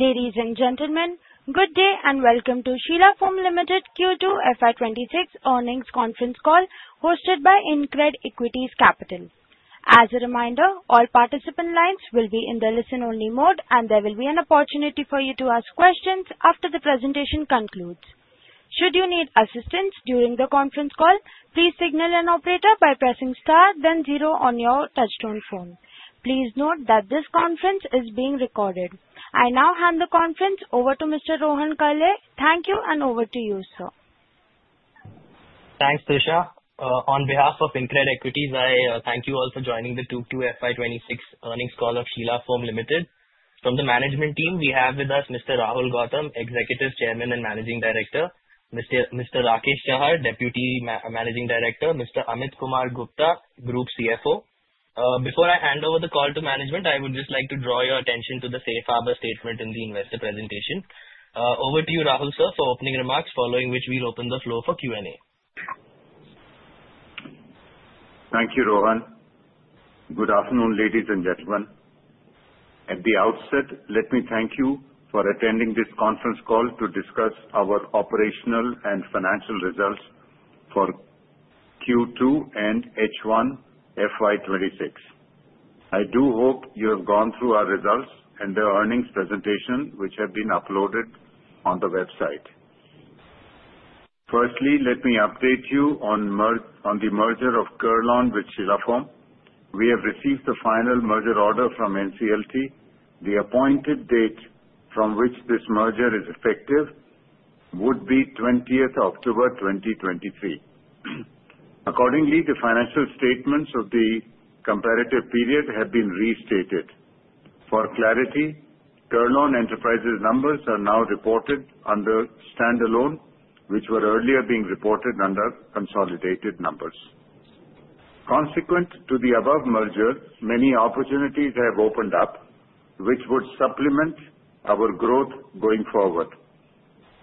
Ladies and gentlemen, good day and welcome to Sheela Foam Limited Q2 FY 2026 earnings conference call hosted by InCred Equities Capital. As a reminder, all participant lines will be in the listen-only mode, and there will be an opportunity for you to ask questions after the presentation concludes. Should you need assistance during the conference call, please signal an operator by pressing star, then zero on your touch-tone phone. Please note that this conference is being recorded. I now hand the conference over to Mr. Rohan Kalle. Thank you, and over to you, sir. Thanks, Disha. On behalf of InCred Equities, I thank you all for joining the Q2 FY 2026 earnings call of Sheela Foam Limited. From the management team, we have with us Mr. Rahul Gautam, Executive Chairman and Managing Director. Mr. Rakesh Chahar, Deputy Managing Director. Mr. Amit Kumar Gupta, Group CFO. Before I hand over the call to management, I would just like to draw your attention to the Safe Harbor Statement in the investor presentation. Over to you, Rahul, sir, for opening remarks, following which we'll open the floor for Q&A. Thank you, Rohan. Good afternoon, ladies and gentlemen. At the outset, let me thank you for attending this conference call to discuss our operational and financial results for Q2 and H1 FY 2026. I do hope you have gone through our results and the earnings presentation, which have been uploaded on the website. Firstly, let me update you on the merger of Kurlon with Sheela Foam. We have received the final merger order from NCLT. The appointed date from which this merger is effective would be 20th October 2023. Accordingly, the financial statements of the comparative period have been restated. For clarity, Kurlon Enterprises' numbers are now reported under standalone, which were earlier being reported under consolidated numbers. Consequent to the above merger, many opportunities have opened up, which would supplement our growth going forward.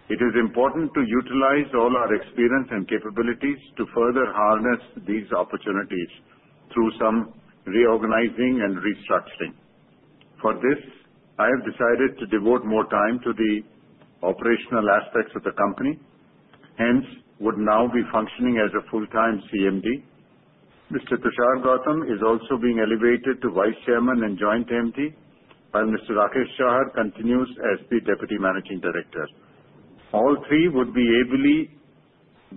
It is important to utilize all our experience and capabilities to further harness these opportunities through some reorganizing and restructuring. For this, I have decided to devote more time to the operational aspects of the company. Hence, I would now be functioning as a full-time CMD. Mr. Tushaar Gautam is also being elevated to Vice Chairman and Joint MD, while Mr. Rakesh Chahar continues as the Deputy Managing Director. All three would be ably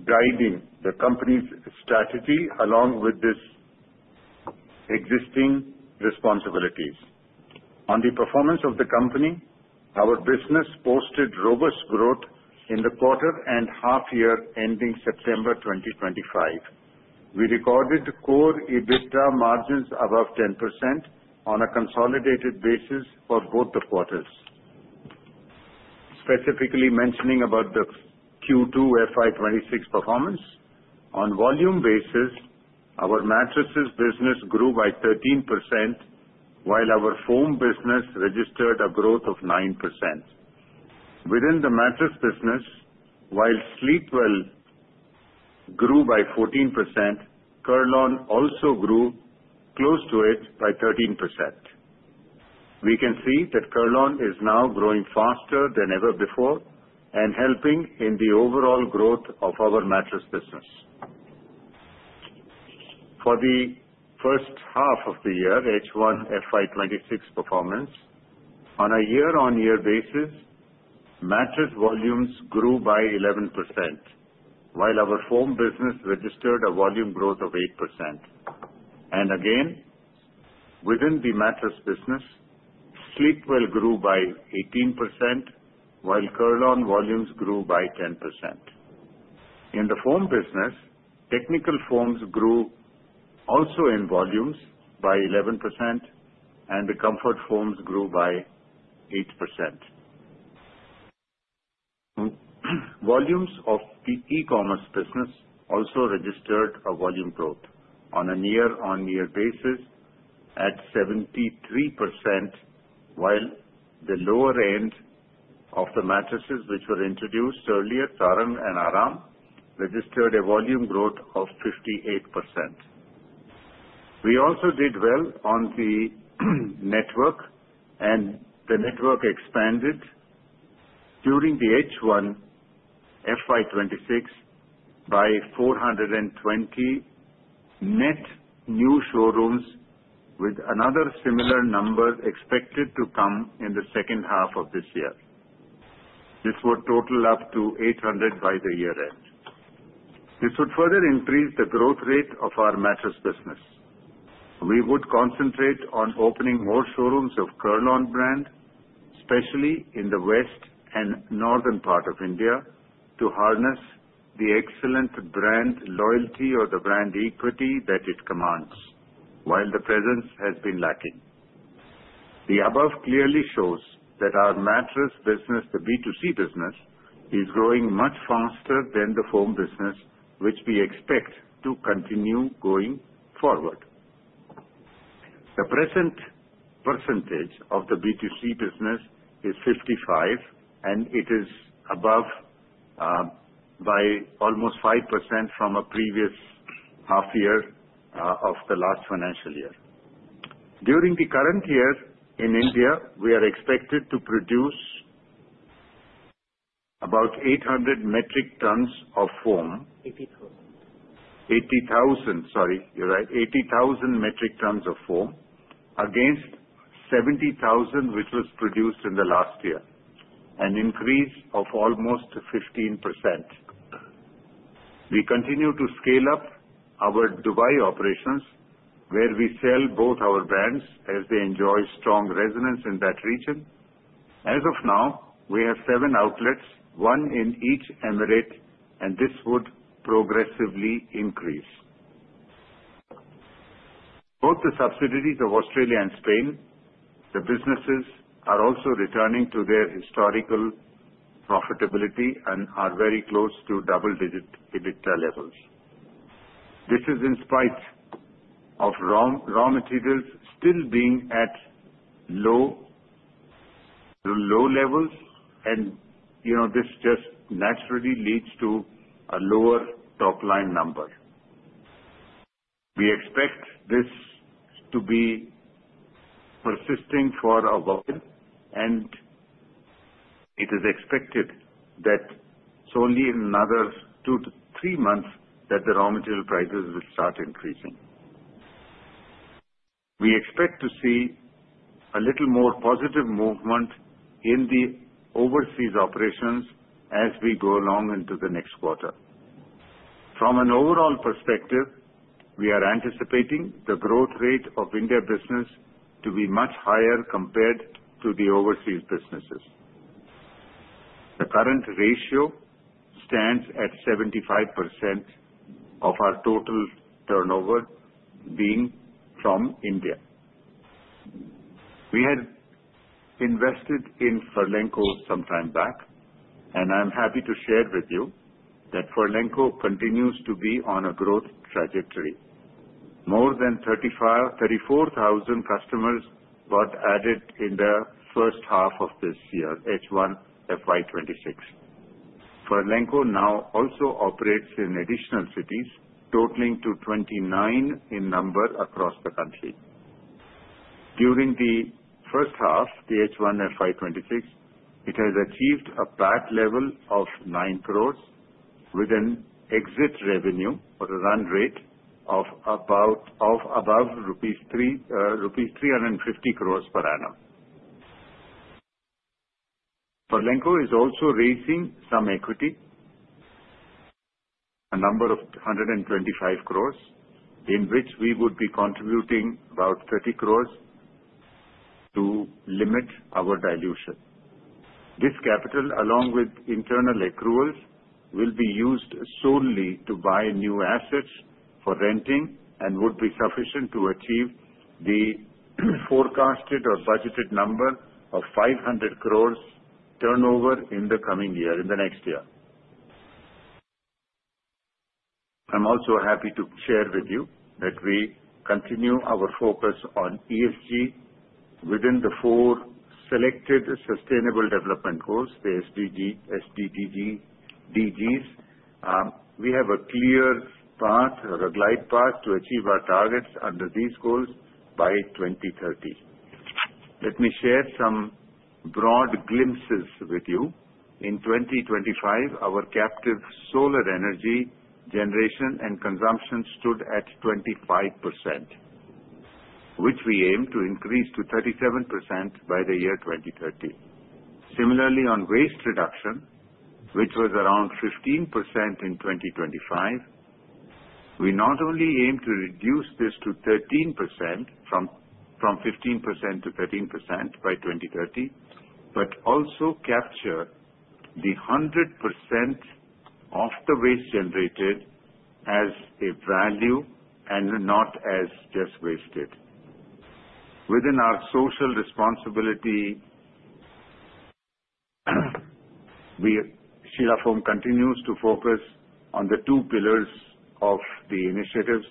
guiding the company's strategy along with its existing responsibilities. On the performance of the company, our business posted robust growth in the quarter and half-year ending September 2025. We recorded core EBITDA margins above 10% on a consolidated basis for both the quarters, specifically mentioning the Q2 FY 2026 performance. On volume basis, our mattresses business grew by 13%, while our foam business registered a growth of 9%. Within the mattress business, while Sleepwell grew by 14%, Kurlon also grew close to it by 13%. We can see that Kurlon is now growing faster than ever before and helping in the overall growth of our mattress business. For the first half of the year H1 FY 2026 performance, on a year-on-year basis, mattress volumes grew by 11%, while our foam business registered a volume growth of 8%. And again, within the mattress business, Sleepwell grew by 18%, while Kurlon volumes grew by 10%. In the foam business, technical foams grew also in volumes by 11%, and the comfort foams grew by 8%. Volumes of the e-commerce business also registered a volume growth on a year-on-year basis at 73%, while the lower end of the mattresses which were introduced earlier, Tarang and Aaram, registered a volume growth of 58%. We also did well on the network, and the network expanded during the H1 FY 2026 by 420 net new showrooms, with another similar number expected to come in the second half of this year. This would total up to 800 by the year-end. This would further increase the growth rate of our mattress business. We would concentrate on opening more showrooms of Kurlon brand, especially in the West and North India, to harness the excellent brand loyalty or the brand equity that it commands, while the presence has been lacking. The above clearly shows that our mattress business, the B2C business, is growing much faster than the foam business, which we expect to continue going forward. The present percentage of the B2C business is 55%, and it is above by almost 5% from a previous half-year of the last financial year. During the current year in India, we are expected to produce about 800 metric tons of foam, 80,000, sorry, you're right, 80,000 metric tons of foam, against 70,000 which was produced in the last year, an increase of almost 15%. We continue to scale up our Dubai operations, where we sell both our brands as they enjoy strong resonance in that region. As of now, we have seven outlets, one in each Emirate, and this would progressively increase. Both the subsidiaries of Australia and Spain, the businesses are also returning to their historical profitability and are very close to double-digit EBITDA levels. This is in spite of raw materials still being at low levels, and this just naturally leads to a lower top-line number. We expect this to be persisting for a while, and it is expected that solely in another two to three months that the raw material prices will start increasing. We expect to see a little more positive movement in the overseas operations as we go along into the next quarter. From an overall perspective, we are anticipating the growth rate of India business to be much higher compared to the overseas businesses. The current ratio stands at 75% of our total turnover being from India. We had invested in Furlenco some time back, and I'm happy to share with you that Furlenco continues to be on a growth trajectory. More than 34,000 customers got added in the first half of this year, H1 FY 2026. Furlenco now also operates in additional cities, totaling to 29 in number across the country. During the first half, the H1 FY 2026, it has achieved a PAT level of nine crores with an exit revenue or run rate of above rupees 350 crores per annum. Furlenco is also raising some equity, a number of 125 crores, in which we would be contributing about 30 crores to limit our dilution. This capital, along with internal accruals, will be used solely to buy new assets for renting and would be sufficient to achieve the forecasted or budgeted number of 500 crores turnover in the coming year, in the next year. I'm also happy to share with you that we continue our focus on ESG within the four selected Sustainable Development Goals, the SDGs. We have a clear path or a glide path to achieve our targets under these goals by 2030. Let me share some broad glimpses with you. In 2025, our captive solar energy generation and consumption stood at 25%, which we aim to increase to 37% by the year 2030. Similarly, on waste reduction, which was around 15% in 2025, we not only aim to reduce this to 13%, from 15% to 13% by 2030, but also capture the 100% of the waste generated as a value and not as just wasted. Within our social responsibility, Sheela Foam continues to focus on the two pillars of the initiatives,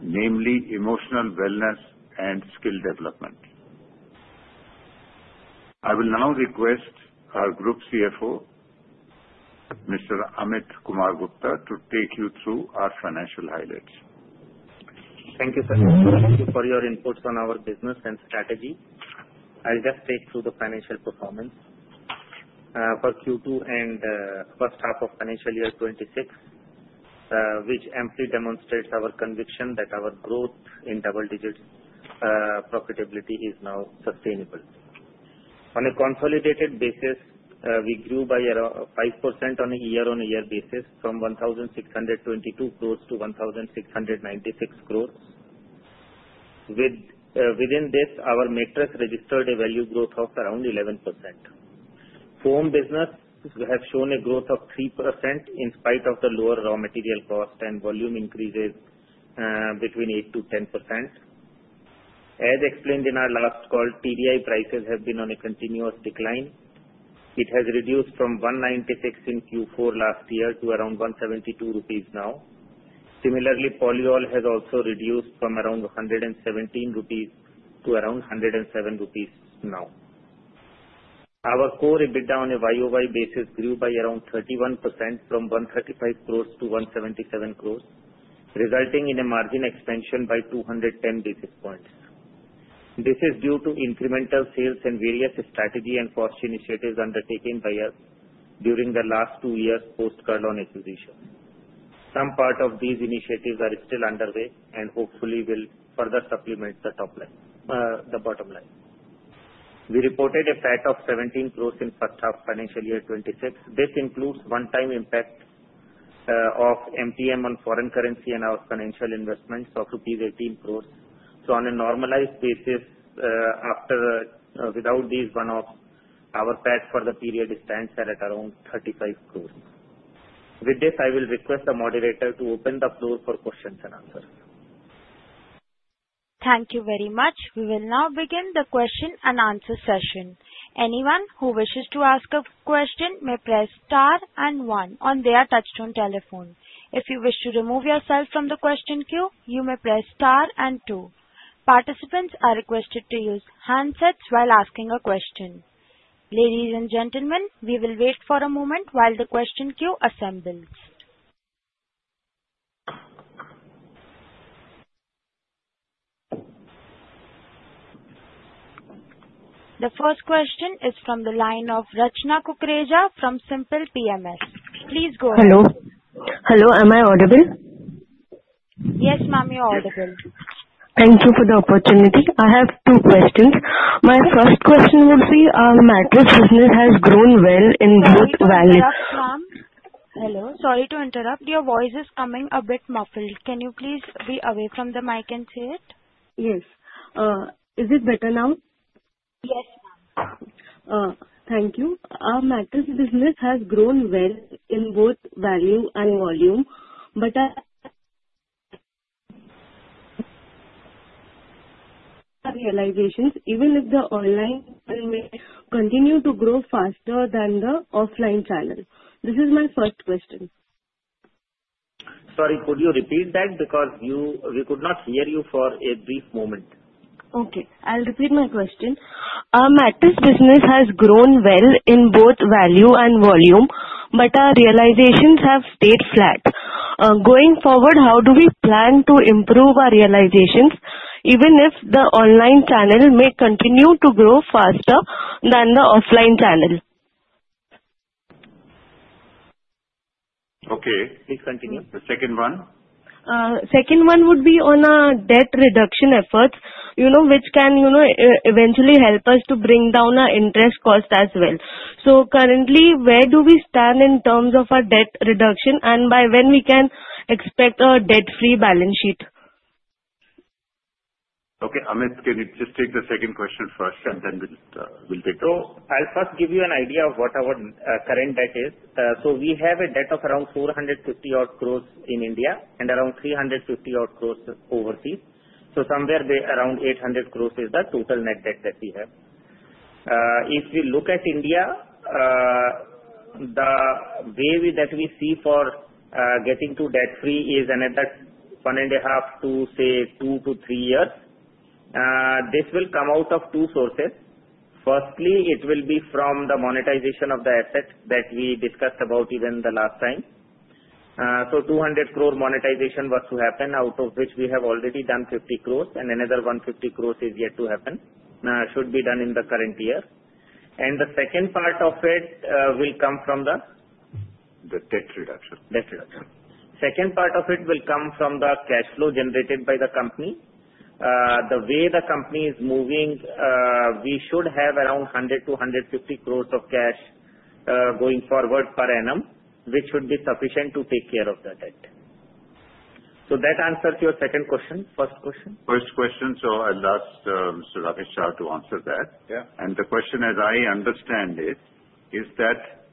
namely emotional wellness and skill development. I will now request our Group CFO, Mr. Amit Kumar Gupta, to take you through our financial highlights. Thank you, sir. Thank you for your inputs on our business and strategy. I'll just take through the financial performance for Q2 and first half of financial year 2026, which amply demonstrates our conviction that our growth in double-digit profitability is now sustainable. On a consolidated basis, we grew by 5% on a year-on-year basis from 1,622 crores to 1,696 crores. Within this, our mattress registered a value growth of around 11%. Foam business has shown a growth of 3% in spite of the lower raw material cost and volume increases between 8%-10%. As explained in our last call, TDI prices have been on a continuous decline. It has reduced from 196 in Q4 last year to around 172 rupees now. Similarly, polyol has also reduced from around 117 rupees to around 107 rupees now. Our core EBITDA on a YoY basis grew by around 31% from 135 crores to 177 crores, resulting in a margin expansion by 210 basis points. This is due to incremental sales and various strategy and cost initiatives undertaken by us during the last two years post-Kurlon acquisition. Some part of these initiatives are still underway and hopefully will further supplement the bottom line. We reported a PAT of 17 crores in first half financial year 2026. This includes one-time impact of MTM on foreign currency and our financial investments of rupees 18 crores. So on a normalized basis, without these one-offs, our PAT for the period stands at around 35 crores. With this, I will request the moderator to open the floor for questions and answers. Thank you very much. We will now begin the question and answer session. Anyone who wishes to ask a question may press star and one on their touch-tone telephone. If you wish to remove yourself from the question queue, you may press star and two. Participants are requested to use handsets while asking a question. Ladies and gentlemen, we will wait for a moment while the question queue assembles. The first question is from the line of Rachna Kukreja from SiMPL PMS. Please go ahead. Hello. Hello. Am I audible? Yes, ma'am, you're audible. Thank you for the opportunity. I have two questions. My first question would be our mattress business has grown well in both values. Hello. Sorry to interrupt. Your voice is coming a bit muffled. Can you please be away from them? I can see it. Yes. Is it better now? Yes, ma'am. Thank you. Our mattress business has grown well in both value and volume, but I have realizations even if the online channel may continue to grow faster than the offline channel. This is my first question. Sorry, could you repeat that because we could not hear you for a brief moment? Okay. I'll repeat my question. Our mattress business has grown well in both value and volume, but our realizations have stayed flat. Going forward, how do we plan to improve our realizations even if the online channel may continue to grow faster than the offline channel? Okay. Please continue. The second one. Second one would be on our debt reduction efforts, which can eventually help us to bring down our interest cost as well. So currently, where do we stand in terms of our debt reduction, and by when we can expect our debt-free balance sheet? Okay. Amit, can you just take the second question first, and then we'll take the next? So I'll first give you an idea of what our current debt is. So we have a debt of around 450 odd crores in India and around 350 odd crores overseas. So somewhere around 800 crores is the total net debt that we have. If we look at India, the way that we see for getting to debt-free is another one and a half to say two to three years. This will come out of two sources. Firstly, it will be from the monetization of the asset that we discussed about even the last time. So 200 crores monetization was to happen, out of which we have already done 50 crores, and another 150 crores is yet to happen, should be done in the current year. And the second part of it will come from the cash flow generated by the company. The way the company is moving, we should have around 100-150 crores of cash going forward per annum, which should be sufficient to take care of the debt. So that answers your second question. First question? First question. So I'll ask Mr. Rakesh Chahar to answer that. And the question, as I understand it, is that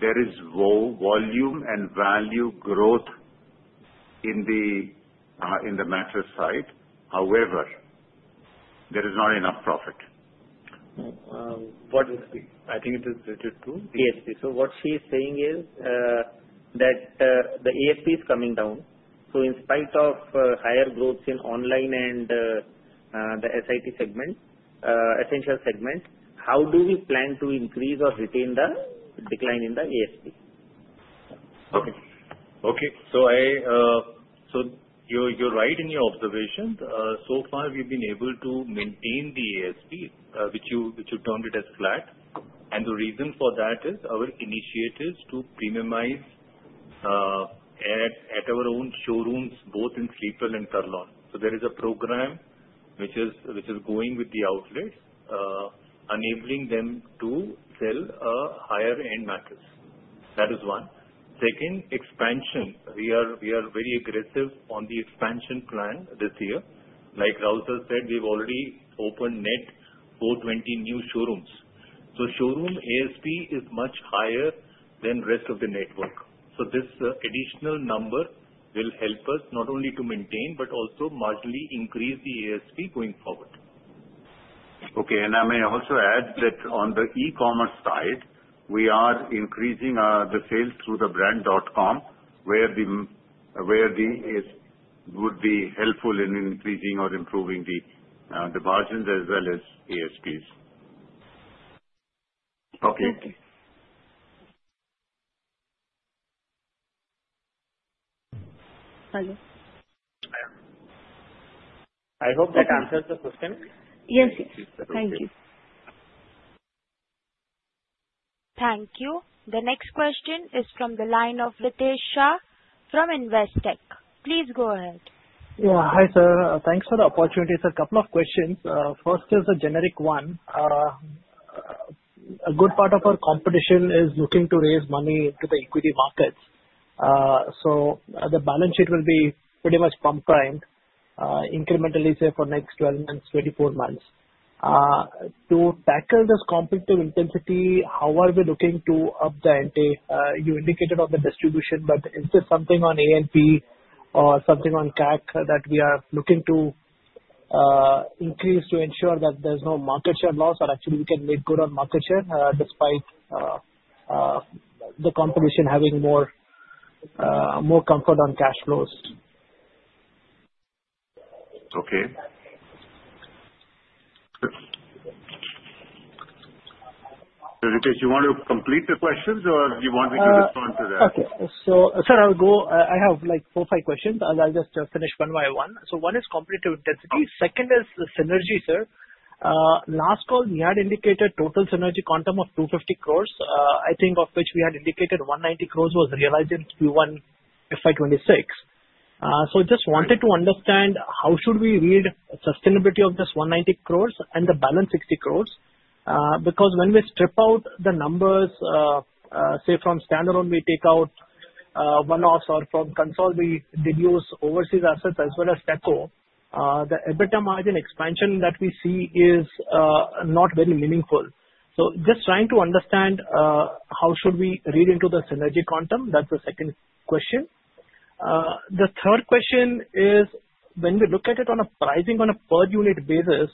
there is volume and value growth in the mattress side. However, there is not enough profit. What is it? I think it is related to the ASP. So what she is saying is that the ASP is coming down. So in spite of higher growth in online and the STI segment, essential segment, how do we plan to increase or retain the decline in the ASP? Okay. Okay. You're right in your observation. So far, we've been able to maintain the ASP, which you termed it as flat. The reason for that is our initiatives to premiumize at our own showrooms, both in Sleepwell and Kurlon. There is a program which is going with the outlets, enabling them to sell a higher-end mattress. That is one. Second, expansion. We are very aggressive on the expansion plan this year. Like Rakesh said, we've already opened net 420 new showrooms. Showroom ASP is much higher than the rest of the network. This additional number will help us not only to maintain but also marginally increase the ASP going forward. Okay. I may also add that on the e-commerce side, we are increasing the sales through the brand.com, where the ASP would be helpful in increasing or improving the margins as well as ASPs. Okay. Thank you. Hello? I hope that answers the question. Yes, yes. Thank you. Thank you. The next question is from the line of Ritesh Shah from Investec. Please go ahead. Yeah. Hi, sir. Thanks for the opportunity, sir. A couple of questions. First is a generic one. A good part of our competition is looking to raise money into the equity markets. So the balance sheet will be pretty much pumped up, incrementally say for next 12 months, 24 months. To tackle this competitive intensity, how are we looking to up the ante? You indicated on the distribution, but is there something on A&P or something on CAC that we are looking to increase to ensure that there's no market share loss or actually we can make good on market share despite the competition having more comfort on cash flows? Okay. Ritesh, you want to complete the questions or do you want me to respond to that? Okay. So, sir, I'll go. I have like four, five questions. I'll just finish one by one. So one is competitive intensity. Second is synergy, sir. Last call, we had indicated total synergy quantum of 250 crores, I think of which we had indicated 190 crores was realized in Q1 FY 2026. So I just wanted to understand how should we read sustainability of this 190 crores and the balance 60 crores? Because when we strip out the numbers, say from standalone, we take out one-offs or from console, we deduce overseas assets as well as Tech Co, the EBITDA margin expansion that we see is not very meaningful. So just trying to understand how should we read into the synergy quantum. That's the second question. The third question is when we look at it on a pricing on a per-unit basis,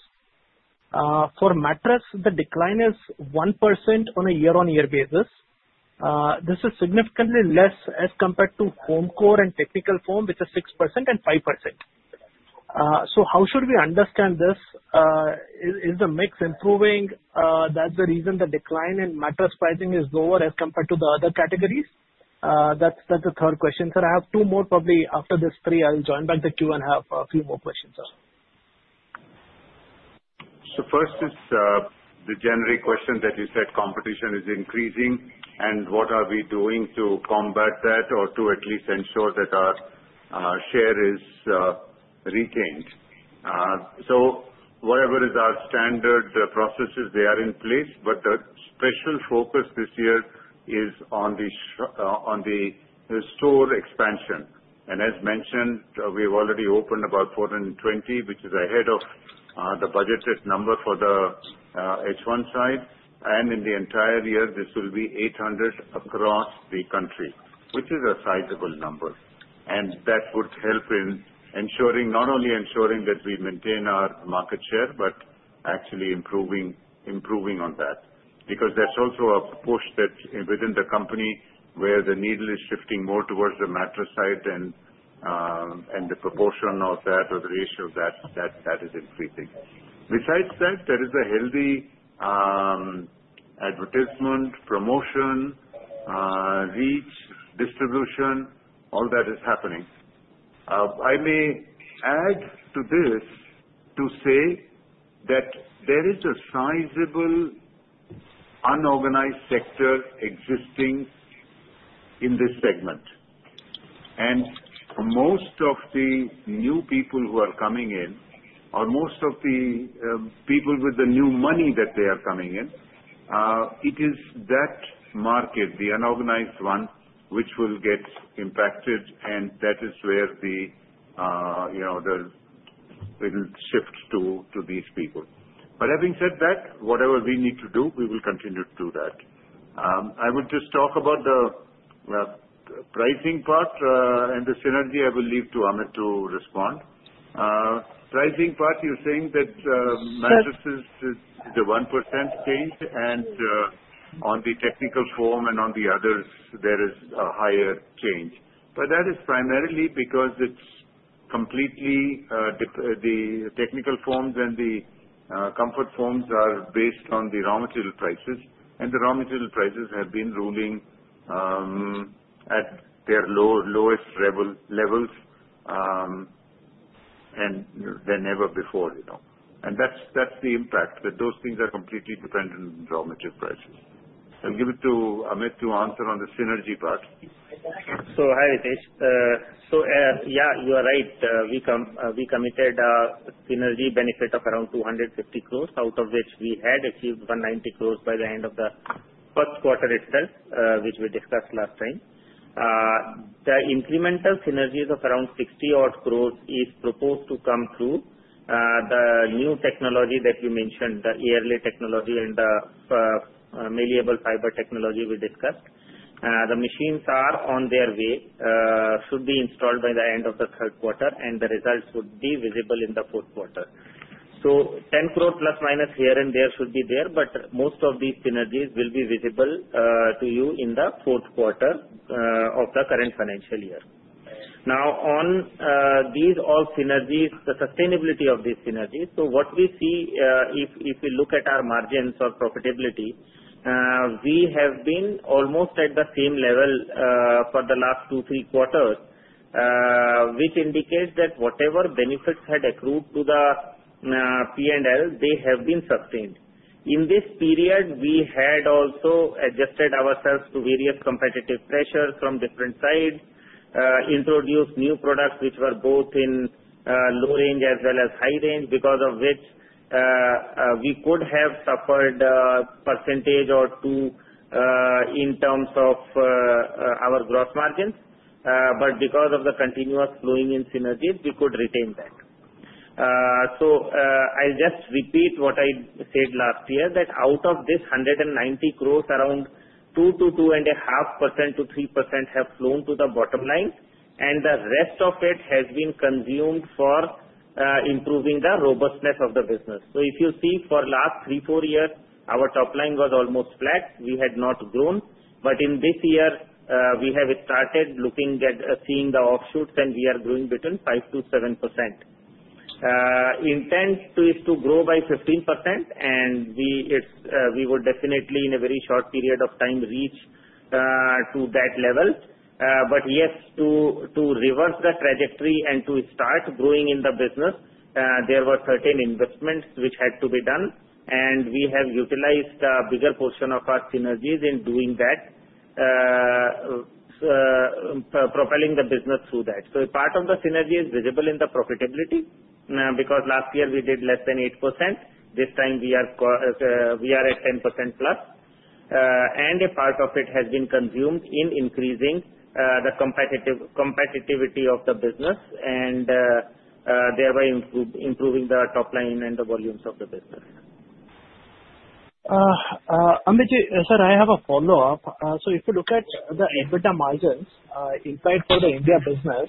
for mattress, the decline is 1% on a year-on-year basis. This is significantly less as compared to home core and technical foam, which is 6% and 5%. So how should we understand this? Is the mix improving? That's the reason the decline in mattress pricing is lower as compared to the other categories. That's the third question, sir. I have two more probably. After this three, I'll join back the queue and have a few more questions, sir. First is the generic question that you said competition is increasing and what are we doing to combat that or to at least ensure that our share is retained. Whatever is our standard processes, they are in place, but the special focus this year is on the store expansion. As mentioned, we've already opened about 420, which is ahead of the budgeted number for the H1 side. In the entire year, this will be 800 across the country, which is a sizable number. That would help in ensuring not only that we maintain our market share, but actually improving on that. Because that's also a push that within the company where the needle is shifting more towards the mattress side and the proportion of that or the ratio of that is increasing. Besides that, there is a healthy advertisement, promotion, reach, distribution. All that is happening. I may add to this to say that there is a sizable unorganized sector existing in this segment, and most of the new people who are coming in, or most of the people with the new money that they are coming in, it is that market, the unorganized one, which will get impacted, and that is where the shift to these people, but having said that, whatever we need to do, we will continue to do that. I would just talk about the pricing part and the synergy. I will leave to Amit to respond. Pricing part, you're saying that mattresses is a 1% change, and on the technical foam and on the others, there is a higher change. But that is primarily because it's completely the technical foams and the comfort foams are based on the raw material prices, and the raw material prices have been ruling at their lowest levels than ever before. And that's the impact, that those things are completely dependent on raw material prices. I'll give it to Amit to answer on the synergy part. Hi, Ritesh. Yeah, you are right. We committed a synergy benefit of around 250 crores, out of which we had achieved 190 crores by the end of the first quarter itself, which we discussed last time. The incremental synergy of around 60 odd crores is proposed to come through the new technology that you mentioned, the Air-Lay Technology and the Malleable Fiber Technology we discussed. The machines are on their way, should be installed by the end of the third quarter, and the results would be visible in the fourth quarter. 10 crores plus minus here and there should be there, but most of these synergies will be visible to you in the fourth quarter of the current financial year. Now, on these all synergies, the sustainability of these synergies. What we see, if we look at our margins or profitability, we have been almost at the same level for the last two, three quarters, which indicates that whatever benefits had accrued to the P&L, they have been sustained. In this period, we had also adjusted ourselves to various competitive pressures from different sides, introduced new products which were both in low range as well as high range, because of which we could have suffered a percentage or two in terms of our gross margins. But because of the continuous flowing in synergies, we could retain that. So I'll just repeat what I said last year, that out of this 190 crores, around 2% to 2.5% to 3% have flown to the bottom line, and the rest of it has been consumed for improving the robustness of the business. So if you see, for the last three, four years, our top line was almost flat. We had not grown. But in this year, we have started looking at seeing the offshoots, and we are growing between 5%-7%. Intent is to grow by 15%, and we would definitely, in a very short period of time, reach to that level. But yes, to reverse the trajectory and to start growing in the business, there were certain investments which had to be done, and we have utilized a bigger portion of our synergies in doing that, propelling the business through that. So a part of the synergy is visible in the profitability because last year we did less than 8%. This time, we are at 10%+. And a part of it has been consumed in increasing the competitiveness of the business and thereby improving the top line and the volumes of the business. Amit, sir, I have a follow-up. If you look at the EBITDA margins implied for the India business,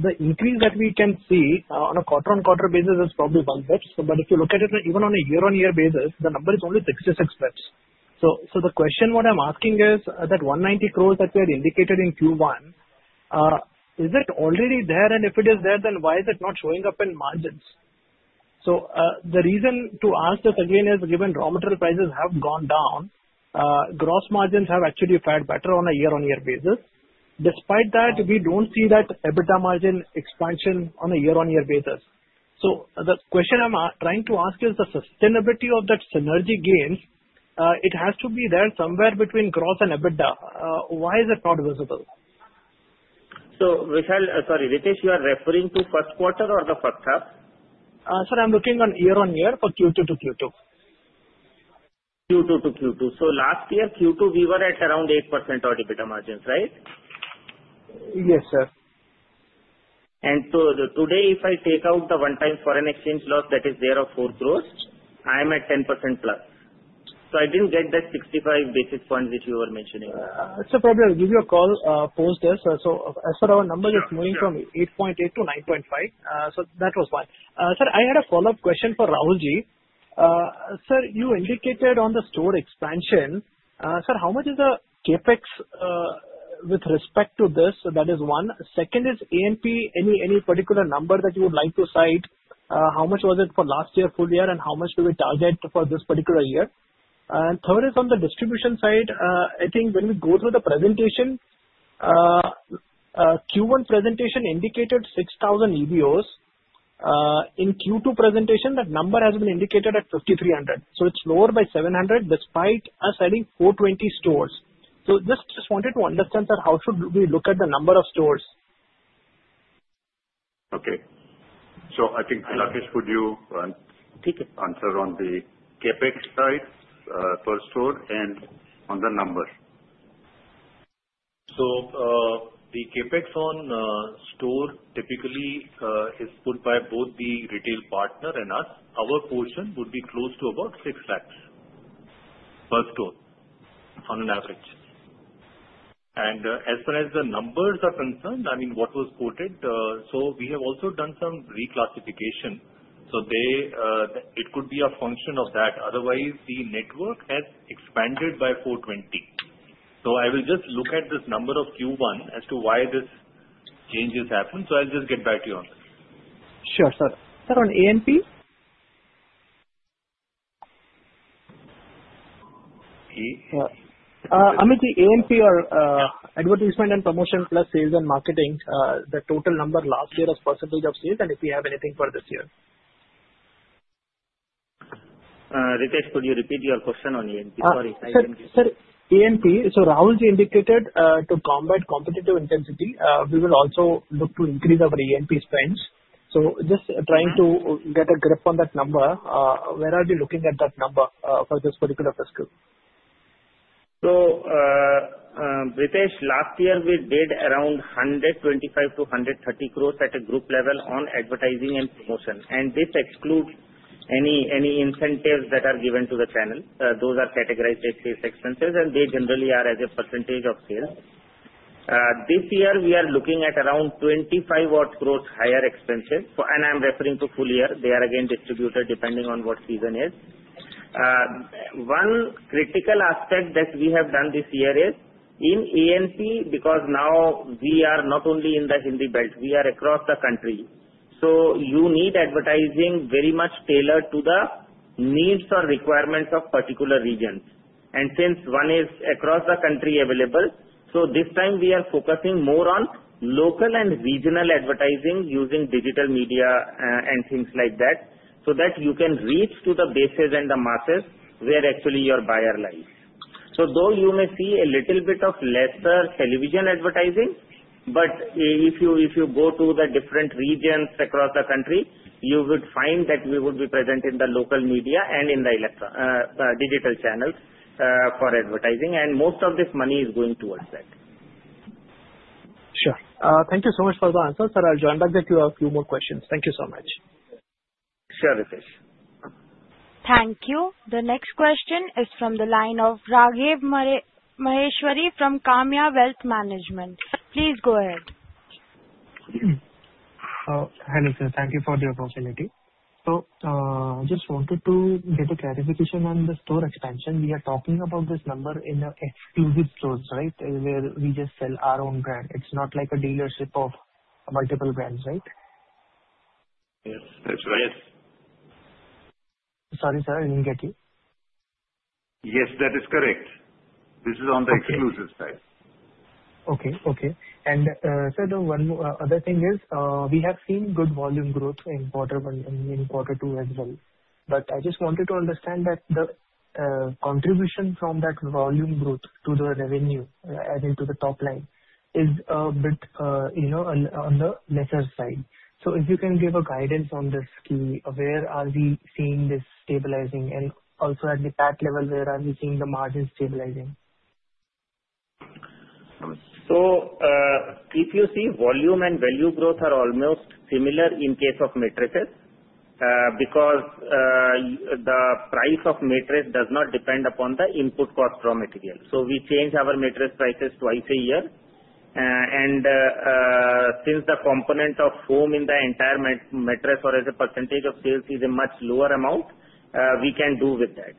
the increase that we can see on a quarter-on-quarter basis is probably one basis point. But if you look at it even on a year-on-year basis, the number is only 66 bps. The question what I'm asking is that 190 crores that we had indicated in Q1, is it already there? And if it is there, then why is it not showing up in margins? The reason to ask this again is given raw material prices have gone down, gross margins have actually fared better on a year-on-year basis. Despite that, we don't see that EBITDA margin expansion on a year-on-year basis. The question I'm trying to ask is the sustainability of that synergy gains. It has to be there somewhere between gross and EBITDA. Why is it not visible? So Ritesh, you are referring to first quarter or the first half? Sir, I'm looking on year-on-year for Q2 to Q2. Q2 to Q2. So last year, Q2, we were at around 8% of EBITDA margins, right? Yes, sir. Today, if I take out the one-time foreign exchange loss that is there of 4 crores, I'm at 10%+, so I didn't get that 65 basis points which you were mentioning. It's no problem. I'll give you a call post this. So as per our numbers, it's moving from 8.8 to 9.5. So that was one. Sir, I had a follow-up question for Rahul. Sir, you indicated on the store expansion. Sir, how much is the CapEx with respect to this? That is one. Second is A&P, any particular number that you would like to cite? How much was it for last year, full year, and how much do we target for this particular year? And third is on the distribution side. I think when we go through the presentation, Q1 presentation indicated 6,000 EBOs. In Q2 presentation, that number has been indicated at 5,300. So it's lower by 700 despite us adding 420 stores. So just wanted to understand, sir, how should we look at the number of stores? Okay. So I think, Rakesh, could you answer on the CapEx side per store and on the number? So the CapEx on store typically is put by both the retail partner and us. Our portion would be close to about 6 lakhs per store on an average. And as far as the numbers are concerned, I mean, what was quoted, so we have also done some reclassification. So it could be a function of that. Otherwise, the network has expanded by 420. So I will just look at this number of Q1 as to why these changes happened. So I'll just get back to you on that. Sure, sir. Sir, on A&P? Yeah. Amit, A&P or advertisement and promotion plus sales and marketing, the total number last year as percentage of sales, and if you have anything for this year? Ritesh, could you repeat your question on A&P? Sorry. Sir, A&P, is around indicated to combat competitive intensity, we will also look to increase our A&P spends. So just trying to get a grip on that number. Where are we looking at that number for this particular fiscal? Ritesh, last year, we did around 125 crore-130 crore at a group level on advertising and promotion. And this excludes any incentives that are given to the channel. Those are categorized as sales expenses, and they generally are as a percentage of sales. This year, we are looking at around 25 crore higher expenses. And I'm referring to full year. They are again distributed depending on what season is. One critical aspect that we have done this year is in A&P because now we are not only in the Hindi belt. We are across the country. So you need advertising very much tailored to the needs or requirements of particular regions. And since one is across the country available, so this time, we are focusing more on local and regional advertising using digital media and things like that so that you can reach to the bases and the masses where actually your buyer lies. So though you may see a little bit of lesser television advertising, but if you go to the different regions across the country, you would find that we would be present in the local media and in the digital channels for advertising. And most of this money is going towards that. Sure. Thank you so much for the answer, sir. I'll come back to you with a few more questions. Thank you so much. Sure, Ritesh. Thank you. The next question is from the line of Raghav Maheshwari from Kamaya Wealth Management. Please go ahead. Hi, Rahul. Thank you for the opportunity. So I just wanted to get a clarification on the store expansion. We are talking about this number in exclusive stores, right, where we just sell our own brand. It's not like a dealership of multiple brands, right? Yes, that's right. Sorry, sir. I didn't get you. Yes, that is correct. This is on the exclusive side. Okay. And sir, the other thing is we have seen good volume growth in quarter one and in quarter two as well. But I just wanted to understand that the contribution from that volume growth to the revenue adding to the top line is a bit on the lesser side. So if you can give a guidance on this, where are we seeing this stabilizing? And also at the PAT level, where are we seeing the margins stabilizing? So if you see, volume and value growth are almost similar in case of mattresses because the price of mattress does not depend upon the input cost raw material. So we change our mattress prices twice a year. And since the component of foam in the entire mattress or as a percentage of sales is a much lower amount, we can do with that.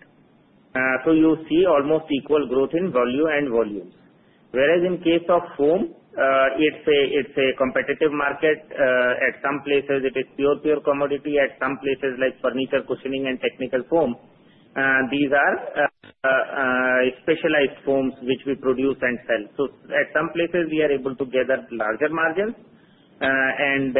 So you see almost equal growth in volume and value. Whereas in case of foam, it's a competitive market. At some places, it is pure commodity. At some places, like furniture, cushioning, and technical foam, these are specialized foams which we produce and sell. So at some places, we are able to gather larger margins and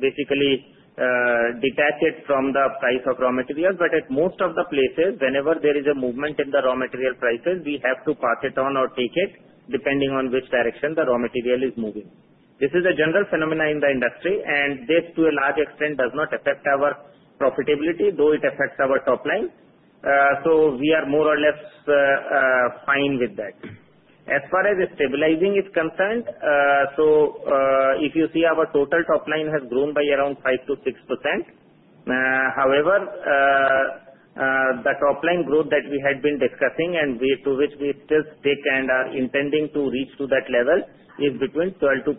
basically detach it from the price of raw material. But at most of the places, whenever there is a movement in the raw material prices, we have to pass it on or take it depending on which direction the raw material is moving. This is a general phenomenon in the industry, and this to a large extent does not affect our profitability, though it affects our top line. So we are more or less fine with that. As far as stabilizing is concerned, so if you see, our total top line has grown by around 5%-6%. However, the top line growth that we had been discussing and to which we still stick and are intending to reach to that level is between 12%-15%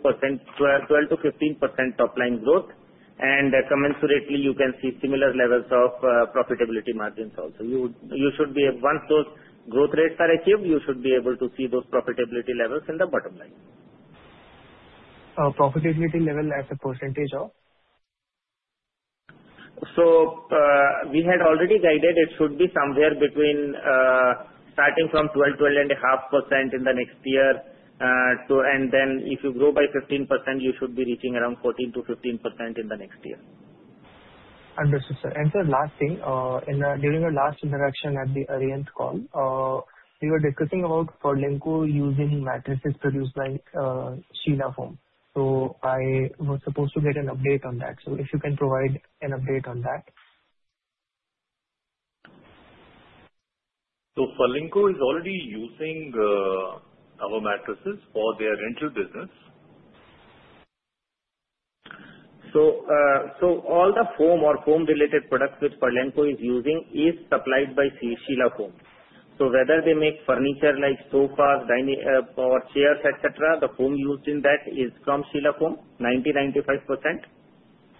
top line growth, and commensurately, you can see similar levels of profitability margins also. Once those growth rates are achieved, you should be able to see those profitability levels in the bottom line. Profitability level as a percentage of? So we had already guided it should be somewhere between starting from 12%-12.5% in the next year. And then if you grow by 15%, you should be reaching around 14%-15% in the next year. Understood, sir. And sir, last thing, during our last interaction at the Arihant call, we were discussing about Furlenco using mattresses produced by Sheela Foam. So I was supposed to get an update on that. So if you can provide an update on that? Furlenco is already using our mattresses for their rental business. All the foam or foam-related products which Furlenco is using is supplied by Sheela Foam. So whether they make furniture like sofas or chairs, et cetera, the foam used in that is from Sheela Foam, 90%-95%.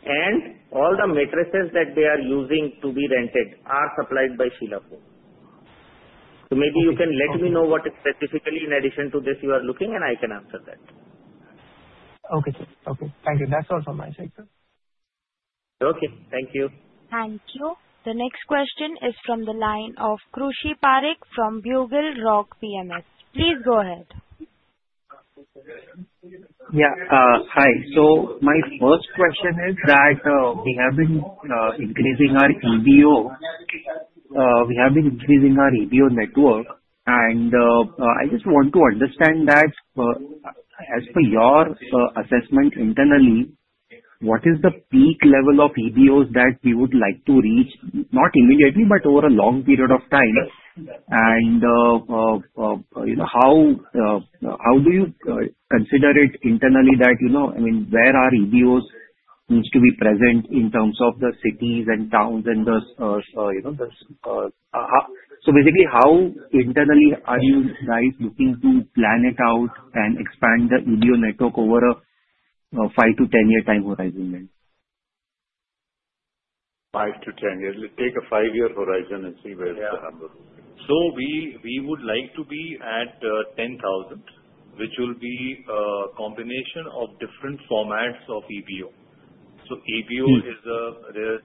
And all the mattresses that they are using to be rented are supplied by Sheela Foam. So maybe you can let me know what specifically in addition to this you are looking, and I can answer that. Okay. Okay. Thank you. That's all from my side, sir. Okay. Thank you. Thank you. The next question is from the line of Krushi Parekh from BugleRock PMS. Please go ahead. Yeah. Hi. So my first question is that we have been increasing our EBO. We have been increasing our EBO network. And I just want to understand that as per your assessment internally, what is the peak level of EBOs that you would like to reach, not immediately, but over a long period of time? And how do you consider it internally that, I mean, where are EBOs needs to be present in terms of the cities and towns and the so basically, how internally are you guys looking to plan it out and expand the EBO network over a 5- to 10-year time horizon? Five to 10 years. Let's take a five-year horizon and see where the number is. So we would like to be at 10,000, which will be a combination of different formats of EBO. So EBO is a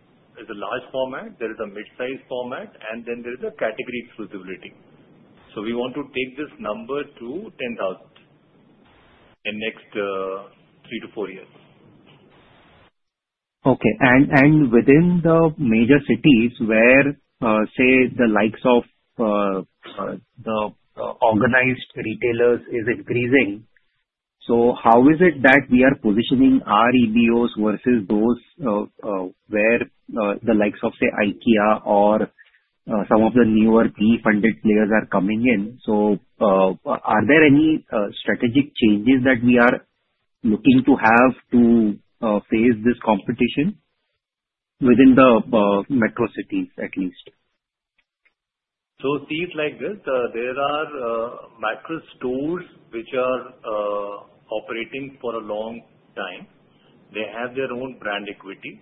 large format. There is a mid-size format, and then there is a category exclusivity. So we want to take this number to 10,000 in the next three to four years. Okay. And within the major cities where, say, the likes of the organized retailers is increasing, so how is it that we are positioning our EBOs versus those where the likes of, say, IKEA or some of the newer PE-funded players are coming in? So are there any strategic changes that we are looking to have to face this competition within the metro cities at least? Stores like this, there are macro stores which are operating for a long time. They have their own brand equity.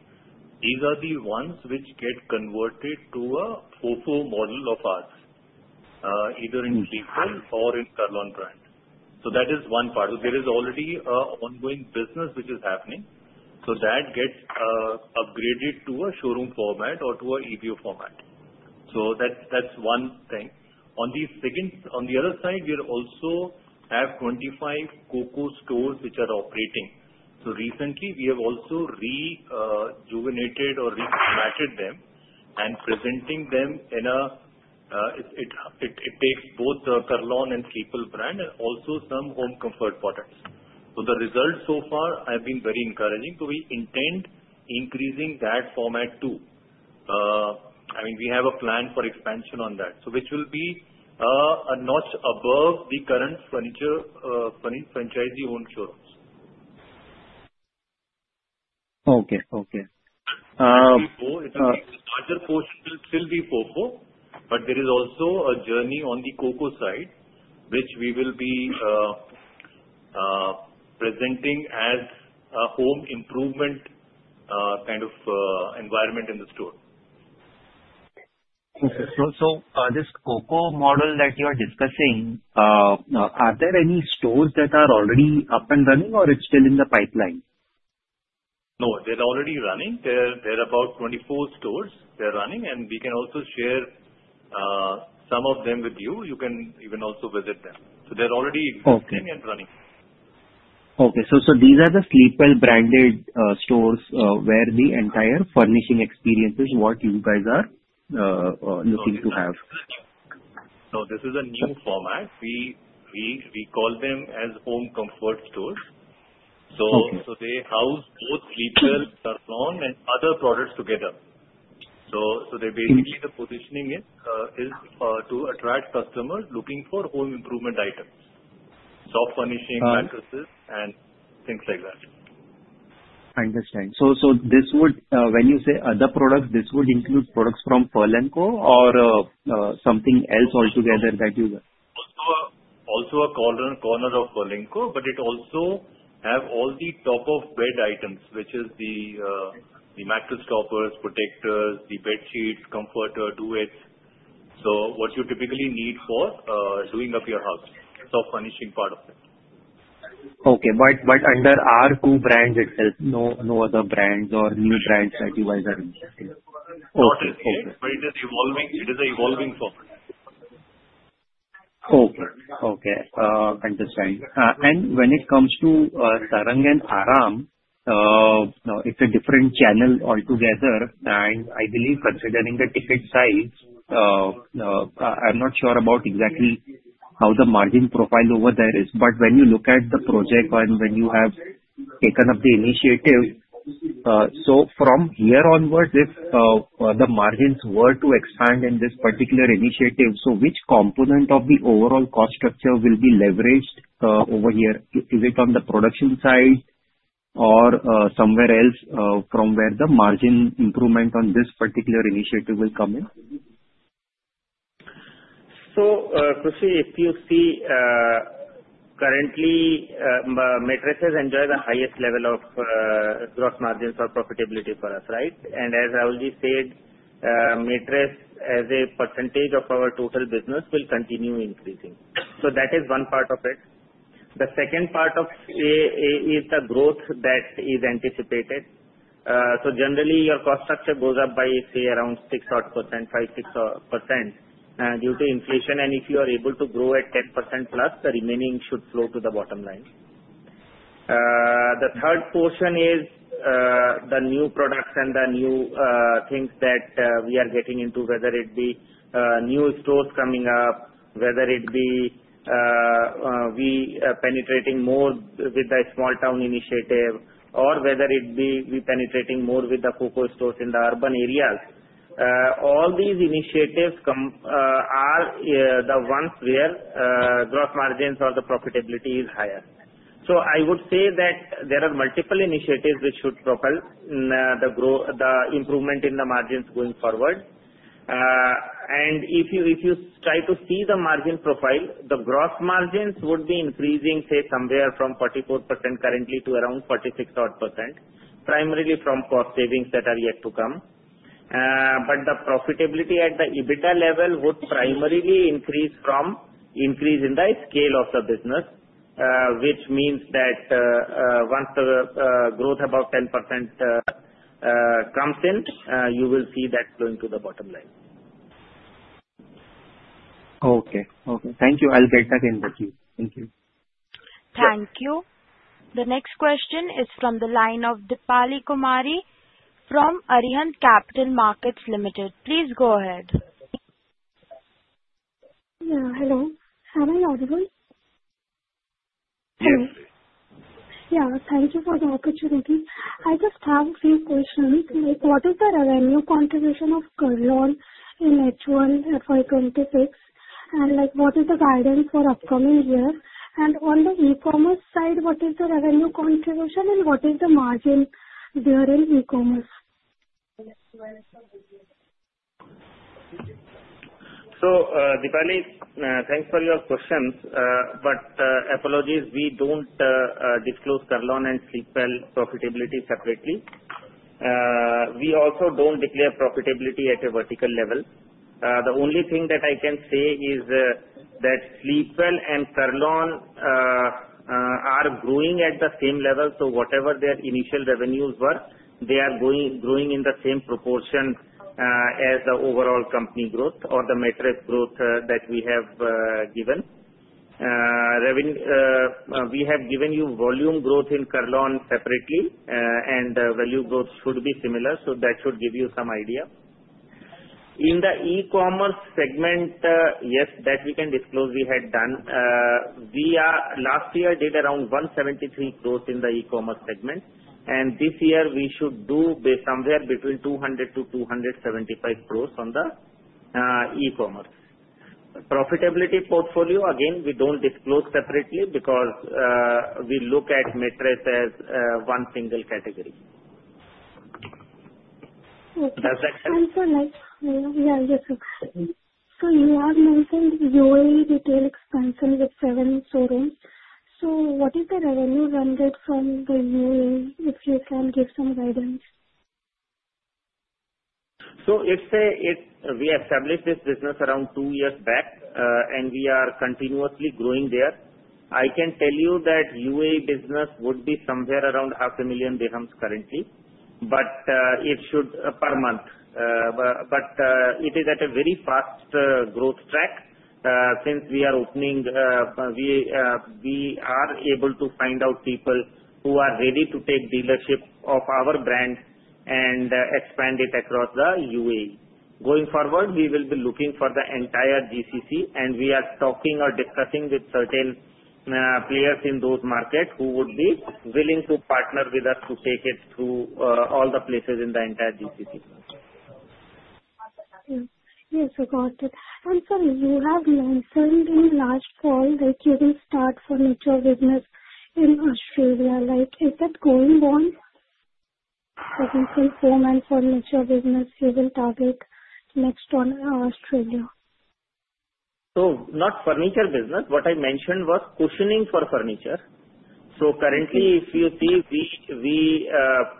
These are the ones which get converted to a FOFO model of ours, either in Sleepwell or in Kurlon brand. So that is one part. So there is already an ongoing business which is happening. So that gets upgraded to a showroom format or to an EBO format. So that's one thing. On the other side, we also have 25 COCO stores which are operating. So recently, we have also rejuvenated or reformatted them and presenting them in a format. It takes both the Kurlon and Sleepwell brand and also some home comfort products. So the results so far have been very encouraging. So we intend increasing that format too. I mean, we have a plan for expansion on that, which will be a notch above the current furniture franchisee-owned showrooms. Okay. Okay. The larger portion will still be FOFO, but there is also a journey on the COCO side, which we will be presenting as a home improvement kind of environment in the store. This COCO model. That you are discussing, are there any stores that are already up and running, or it's still in the pipeline? No, they're already running. There are about 24 stores they're running, and we can also share some of them with you. You can also visit them. So they're already existing and running. Okay. So these are the Sleepwell branded stores where the entire furnishing experience is what you guys are looking to have? No, this is a new format. We call them as home comfort stores. So they house both Sleepwell, Kurlon, and other products together. So basically, the positioning is to attract customers looking for home improvement items, soft furnishing, mattresses, and things like that. Understand. So when you say other products, this would include products from Furlenco or something else altogether that you? Also a corner of Furlenco, but it also has all the top-of-bed items, which is the mattress toppers, protectors, the bed sheets, comforters, duvets. So what you typically need for doing up your house, soft furnishing part of it. Okay. But under our two brands itself, no other brands or new brands that you guys are using? It is evolving. It is an evolving format. Okay. Okay. Understand. When it comes to Tarang and Aaram, it's a different channel altogether. I believe considering the ticket size, I'm not sure about exactly how the margin profile over there is. But when you look at the project and when you have taken up the initiative, so from here onwards, if the margins were to expand in this particular initiative, so which component of the overall cost structure will be leveraged over here? Is it on the production side or somewhere else from where the margin improvement on this particular initiative will come in? Krushi, if you see, currently, mattresses enjoy the highest level of gross margins or profitability for us, right? As Rahul said, mattress as a percentage of our total business will continue increasing. That is one part of it. The second part of it is the growth that is anticipated. So generally, your cost structure goes up by, say, around six odd percent, five, six odd percent due to inflation. And if you are able to grow at 10%+, the remaining should flow to the bottom line. The third portion is the new products and the new things that we are getting into, whether it be new stores coming up, whether it be we penetrating more with the small-town initiative, or whether it be we penetrating more with the COCO stores in the urban areas. All these initiatives are the ones where gross margins or the profitability is higher. So I would say that there are multiple initiatives which should propel the improvement in the margins going forward. And if you try to see the margin profile, the gross margins would be increasing, say, somewhere from 44% currently to around 46 odd percent, primarily from cost savings that are yet to come. But the profitability at the EBITDA level would primarily increase from increase in the scale of the business, which means that once the growth above 10% comes in, you will see that flowing to the bottom line. Okay. Okay. Thank you. I'll get back in touch with you. Thank you. Thank you. The next question is from the line of Deepali Kumari from Arihant Capital Markets Limited. Please go ahead. Yeah. Hello. Am I audible? Yeah. Thank you for the opportunity. I just have a few questions. What is the revenue contribution of Kurlon in H1 FY 2026? And what is the guidance for upcoming years? And on the e-commerce side, what is the revenue contribution and what is the margin there in e-commerce? So Deepali, thanks for your questions. But apologies, we don't disclose Kurlon and Sleepwell profitability separately. We also don't declare profitability at a vertical level. The only thing that I can say is that Sleepwell and Kurlon are growing at the same level. So whatever their initial revenues were, they are growing in the same proportion as the overall company growth or the mattress growth that we have given. We have given you volume growth in Kurlon separately, and the value growth should be similar. So that should give you some idea. In the e-commerce segment, yes, that we can disclose we had done. Last year, we did around 173% growth in the e-commerce segment. And this year, we should do somewhere between 200% to 275% growth on the e-commerce. Profitability portfolio, again, we don't disclose separately because we look at mattress as one single category. Does that help? Yeah. Yes. So you have mentioned UAE retail expansion with seven showrooms. So what is the revenue rendered from the UAE, if you can give some guidance? We established this business around two years back, and we are continuously growing there. I can tell you that UAE business would be somewhere around 500,000 dirhams currently, per month. It is at a very fast growth track since we are opening. We are able to find out people who are ready to take dealership of our brand and expand it across the UAE. Going forward, we will be looking for the entire GCC, and we are talking or discussing with certain players in those markets who would be willing to partner with us to take it through all the places in the entire GCC. Yes. You got it. And sorry, you have mentioned in last call that you will start furniture business in Australia. Is that going on? For example, foam and furniture business, you will target next on Australia. So, not furniture business. What I mentioned was cushioning for furniture. So currently, if you see, we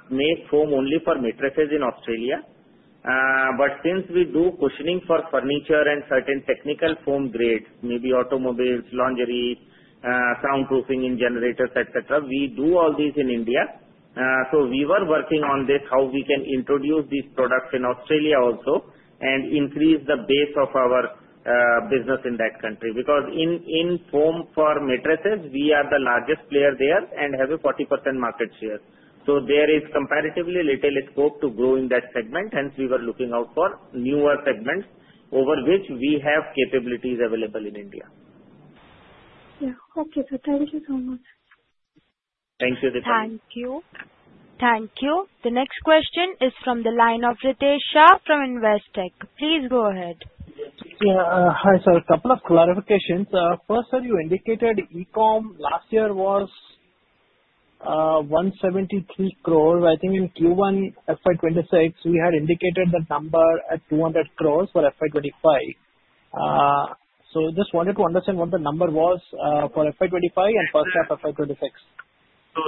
make foam only for mattresses in Australia. But since we do cushioning for furniture and certain technical foam grades, maybe automobiles, laundry, soundproofing in generators, et cetera, we do all these in India. So we were working on this, how we can introduce these products in Australia also and increase the base of our business in that country. Because in foam for mattresses, we are the largest player there and have a 40% market share. So there is comparatively little scope to grow in that segment. Hence, we were looking out for newer segments over which we have capabilities available in India. Yeah. Okay. So thank you so much. Thank you, Deepali. Thank you. Thank you. The next question is from the line of Ritesh Shah from Investec. Please go ahead. Yeah. Hi, sir. A couple of clarifications. First, sir, you indicated e-com last year was 173 crores. I think in Q1 FY 2026, we had indicated the number at 200 crores for FY 2025. So just wanted to understand what the number was for FY 2025 and first half of FY 2026?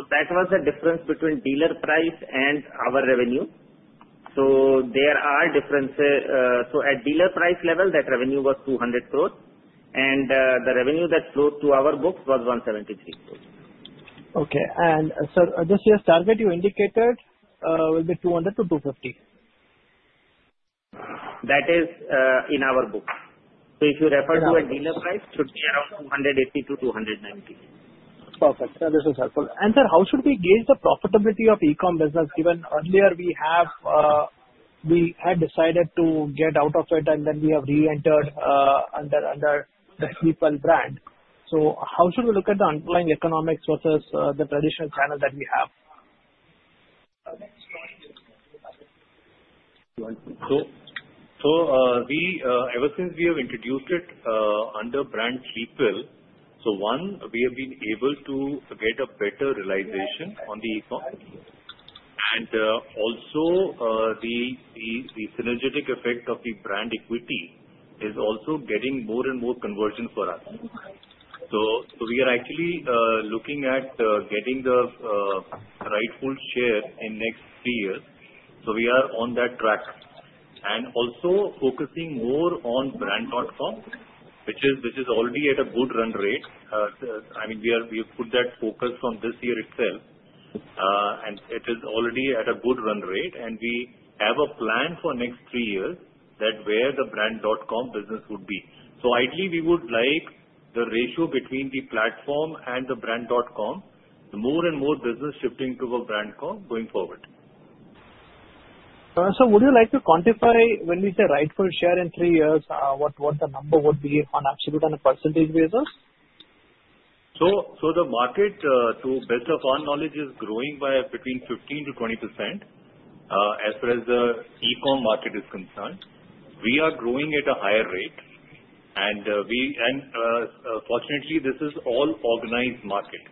That was the difference between dealer price and our revenue. So there are differences. So at dealer price level, that revenue was 200 crores, and the revenue that flowed to our books was 173 crores. Okay. So this year's target you indicated will be 200-250? That is in our books. So if you refer to a dealer price, it should be around 280-290. Perfect. This is helpful. And sir, how should we gauge the profitability of e-com business given earlier we had decided to get out of it, and then we have re-entered under the Sleepwell brand? So how should we look at the underlying economics versus the traditional channel that we have? Ever since we have introduced it under brand Sleepwell, one, we have been able to get a better realization on the e-com. Also, the synergistic effect of the brand equity is also getting more and more conversion for us. We are actually looking at getting the rightful share in next three years. We are on that track. Also, focusing more on brand.com, which is already at a good run rate. I mean, we have put that focus on this year itself, and it is already at a good run rate. We have a plan for next three years that where the brand.com business would be. Ideally, we would like the ratio between the platform and the brand.com, more and more business shifting to a brand.com going forward. So would you like to quantify when we say rightful share in three years, what the number would be on absolute and percentage basis? So the market, to the best of our knowledge, is growing by between 15%-20% as far as the e-com market is concerned. We are growing at a higher rate. And fortunately, this is all organized market.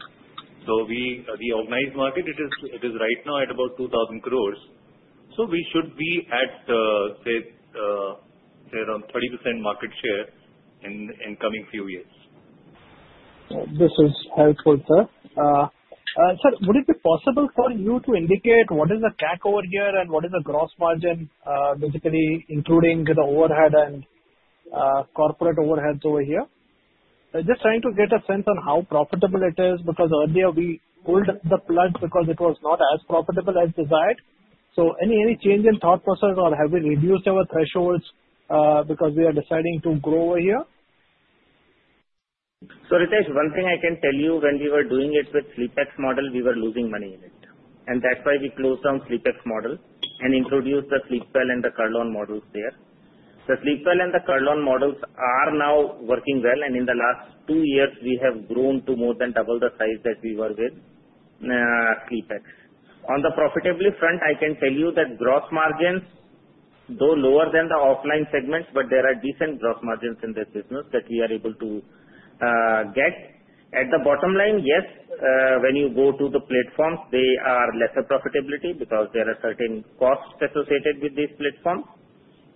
So the organized market, it is right now at about 2,000 crores. So we should be at, say, around 30% market share in the coming few years. This is helpful, sir. Sir, would it be possible for you to indicate what is the CAC over here and what is the gross margin, basically including the overhead and corporate overheads over here? Just trying to get a sense on how profitable it is because earlier we pulled the plug because it was not as profitable as desired, so any change in thought process, or have we reduced our thresholds because we are deciding to grow over here? So Ritesh, one thing I can tell you, when we were doing it with SleepX model, we were losing money in it. And that's why we closed down SleepX model and introduced the Sleepwell and the Kurlon models there. The Sleepwell and theKurlon models are now working well. And in the last two years, we have grown to more than double the size that we were with SleepX. On the profitability front, I can tell you that gross margins though lower than the offline segments, but there are decent gross margins in this business that we are able to get. At the bottom line, yes, when you go to the platforms, they are lesser profitability because there are certain costs associated with these platforms.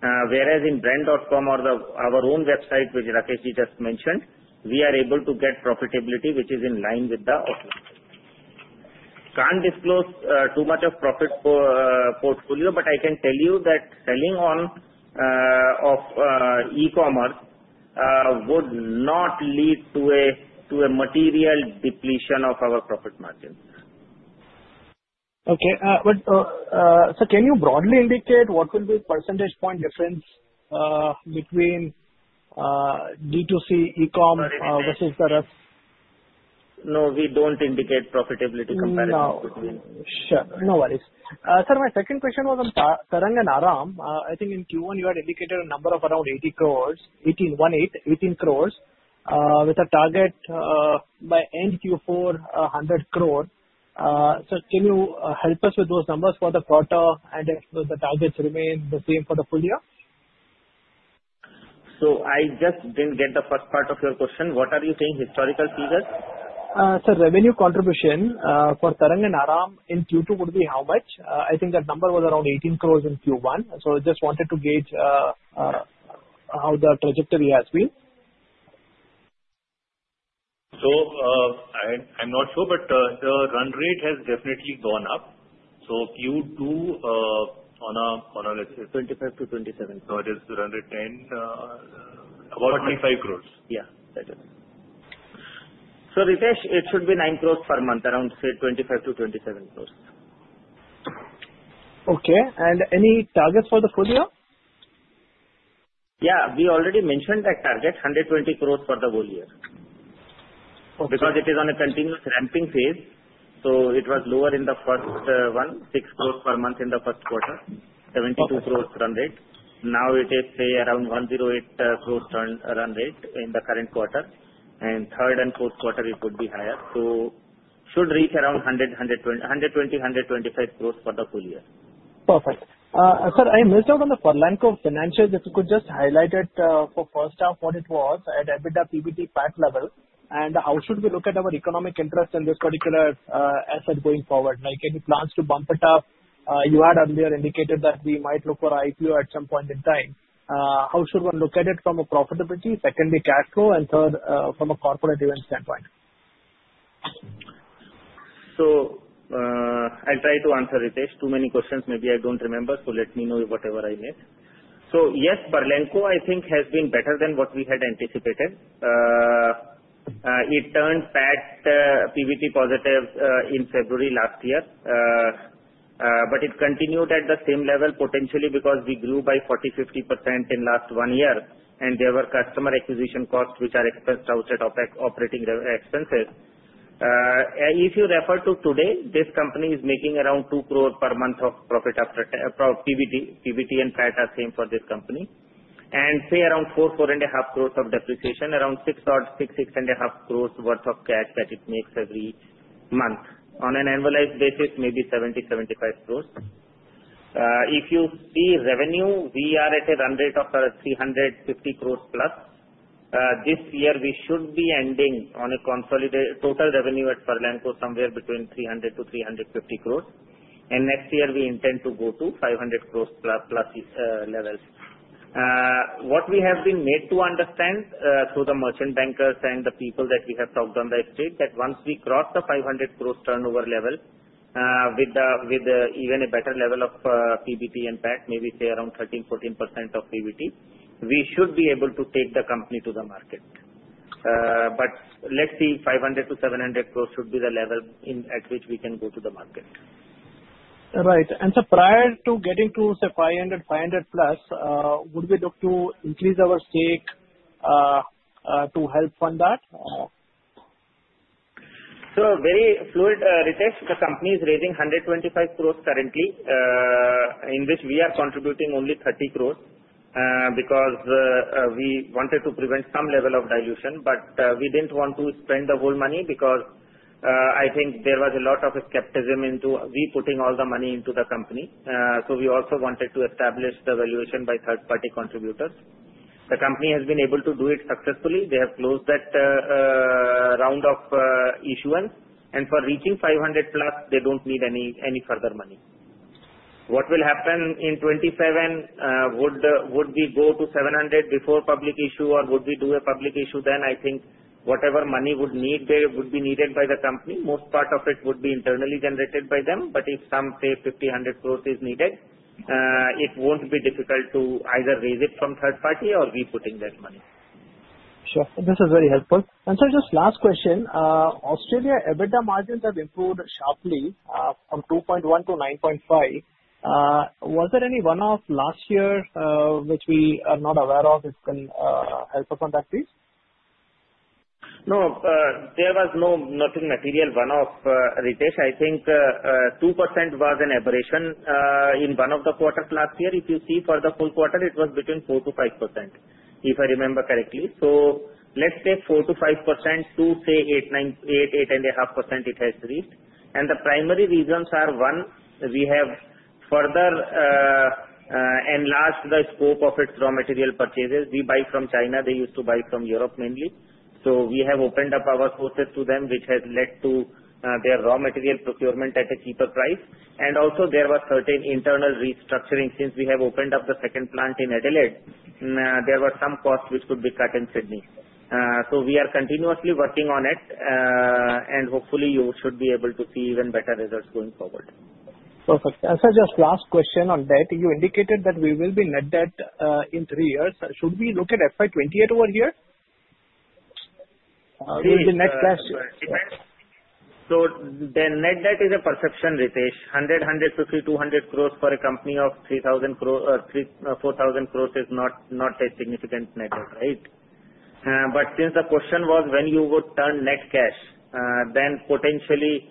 Whereas in brand.com or our own website, which Rakesh just mentioned, we are able to get profitability which is in line with the offline. Can't disclose too much of profit portfolio, but I can tell you that selling on e-commerce would not lead to a material depletion of our profit margins. Okay. So can you broadly indicate what will be the percentage point difference between D2C e-com versus the rest? No, we don't indicate profitability comparison between. Sure. No worries. Sir, my second question was on Tarang and Aaram. I think in Q1, you had indicated a number of around 80 crores, 18 crores, with a target by end Q4, 100 crores. So can you help us with those numbers for the quarter and if the targets remain the same for the full year? So I just didn't get the first part of your question. What are you saying? Historical figures? Sir, revenue contribution for Tarang and Aaram in Q2 would be how much? I think that number was around 18 crores in Q1. So I just wanted to gauge how the trajectory has been. So I'm not sure, but the run rate has definitely gone up. So Q2 on a. 25 to 27. It is run rate 10, about 25 crores. Yeah. That is. So Ritesh, it should be 9 crores per month, around, say, 25 to 27 crores. Okay, and any targets for the full year? Yeah. We already mentioned that target, 120 crores for the whole year. Because it is on a continuous ramping phase. So it was lower in the first one, six crores per month in the first quarter, 72 crores run rate. Now it is, say, around 108 crores run rate in the current quarter, and third and fourth quarter, it would be higher, so should reach around 120-125 crores for the full year. Perfect. Sir, I missed out on the full length of financials. If you could just highlight it for first half what it was at EBITDA, PBT, PAT level. And how should we look at our economic interest in this particular asset going forward? Do you plan to bump it up? You had earlier indicated that we might look for IPO at some point in time. How should one look at it from a profitability? Secondly, cash flow. And third, from a corporate event standpoint. I'll try to answer, Ritesh. Too many questions. Maybe I don't remember. Let me know whatever I miss. Yes, Furlenco, I think, has been better than what we had anticipated. It turned PAT, PBT positive in February last year. But it continued at the same level potentially because we grew by 40%-50% in the last one year. And there were customer acquisition costs which are expensed out at OpEx operating expenses. If you refer to today, this company is making around 2 crores per month of profit after PBT. PBT and PAT are same for this company. And say around 4-4.5 crores of depreciation, around 6-6.5 crores worth of cash that it makes every month. On an annualized basis, maybe 70-75 crores. If you see revenue, we are at a run rate of 350 crores+. This year, we should be ending on a total revenue at Furlenco somewhere between 300 to 350 crores, and next year, we intend to go to 500 crores+ levels. What we have been made to understand through the merchant bankers and the people that we have talked on the street that once we cross the 500 crores turnover level with even a better level of PBT and PAT, maybe say around 13%-14% of PBT, we should be able to take the company to the market, but let's see, 500 to 700 crores should be the level at which we can go to the market. Right. Prior to getting to, say, 500, 500+, would we look to increase our stake to help fund that? Very fluid, Ritesh. The company is raising 125 crores currently, in which we are contributing only 30 crores because we wanted to prevent some level of dilution. But we didn't want to spend the whole money because I think there was a lot of skepticism into we putting all the money into the company. So we also wanted to establish the valuation by third-party contributors. The company has been able to do it successfully. They have closed that round of issuance. And for reaching 500+, they don't need any further money. What will happen in 2027? Would we go to 700 before public issue, or would we do a public issue then? I think whatever money would be needed by the company, most part of it would be internally generated by them. But if some, say, 50, 100 crores is needed, it won't be difficult to either raise it from third party or we putting that money. Sure. This is very helpful, and sir, just last question. Australia EBITDA margins have improved sharply from 2.1%-9.5%. Was there any one-off last year which we are not aware of? If you can help us on that, please. No. There was no nothing material one-off, Ritesh. I think 2% was an aberration in one of the quarters last year. If you see for the full quarter, it was between 4% to 5%, if I remember correctly. So let's say 4% to 5% to, say, 8%, 8.5% it has reached. And the primary reasons are one, we have further enlarged the scope of its raw material purchases. We buy from China. They used to buy from Europe mainly. So we have opened up our sources to them, which has led to their raw material procurement at a cheaper price. And also, there was certain internal restructuring. Since we have opened up the second plant in Adelaide, there were some costs which could be cut in Sydney. So we are continuously working on it. Hopefully, you should be able to see even better results going forward. Perfect. And sir, just last question on debt. You indicated that we will be net debt in three years. Should we look at FY 2028 over here? The net cash. So the net debt is a perception, Ritesh. 100, 150, 200 crores for a company of 4,000 crores is not a significant net debt, right? But since the question was when you would turn net cash, then potentially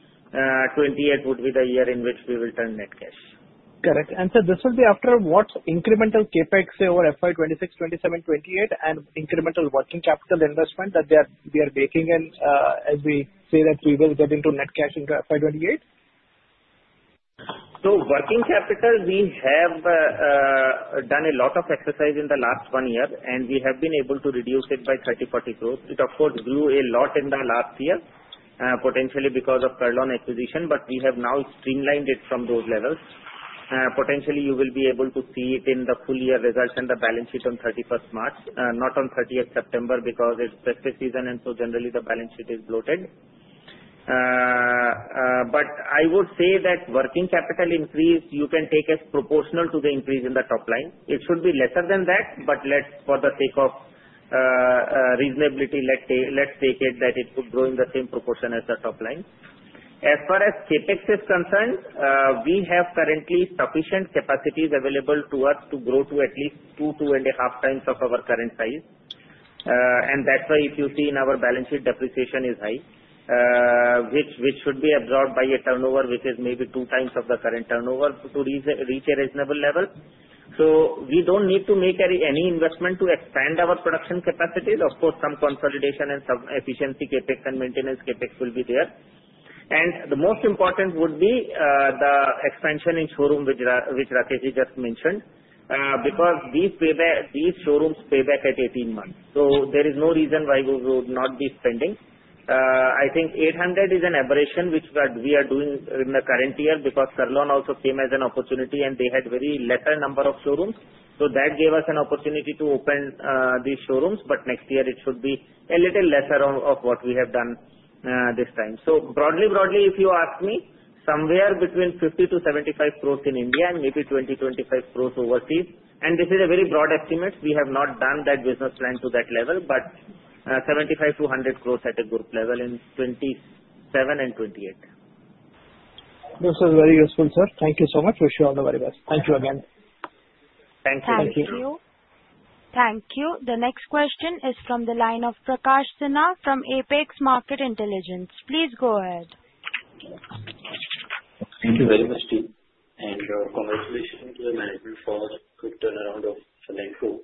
2028 would be the year in which we will turn net cash. Correct. And sir, this will be after what incremental CapEx, say, over FY 2026, 2027, 2028, and incremental working capital investment that we are making as we say that we will get into net cash into FY 2028? Working capital, we have done a lot of exercise in the last one year, and we have been able to reduce it by 30-40 crores. It, of course, grew a lot in the last year, potentially because of Kurlon acquisition, but we have now streamlined it from those levels. Potentially, you will be able to see it in the full year results and the balance sheet on 31st March, not on 30th September because it's festive season, and so generally, the balance sheet is bloated. But I would say that working capital increase you can take as proportional to the increase in the top line. It should be lesser than that, but for the sake of reasonability, let's take it that it would grow in the same proportion as the top line. As far as CapEx is concerned, we have currently sufficient capacities available to us to grow to at least two, 2.5x times of our current size. And that's why if you see in our balance sheet, depreciation is high, which should be absorbed by a turnover which is maybe 2x of the current turnover to reach a reasonable level. So we don't need to make any investment to expand our production capacity. Of course, some consolidation and some efficiency CapEx and maintenance CapEx will be there. And the most important would be the expansion in showroom which Rakesh just mentioned because these showrooms pay back at 18 months. So there is no reason why we would not be spending. I think 800 is an aberration which we are doing in the current year because Kurlon also came as an opportunity, and they had a very lesser number of showrooms. So that gave us an opportunity to open these showrooms. But next year, it should be a little lesser of what we have done this time. So broadly, if you ask me, somewhere between 50-75 crores in India and maybe 20-25 crores overseas. And this is a very broad estimate. We have not done that business plan to that level, but 75-100 crores at a group level in 2027 and 2028. This is very useful, sir. Thank you so much. Wish you all the very best. Thank you again. Thank you. Thank you. Thank you. The next question is from the line of Prakash Sinha from Apex Market Intelligence. Please go ahead. Thank you very much, Team, and congratulations to the management for the quick turnaround of Furlenco.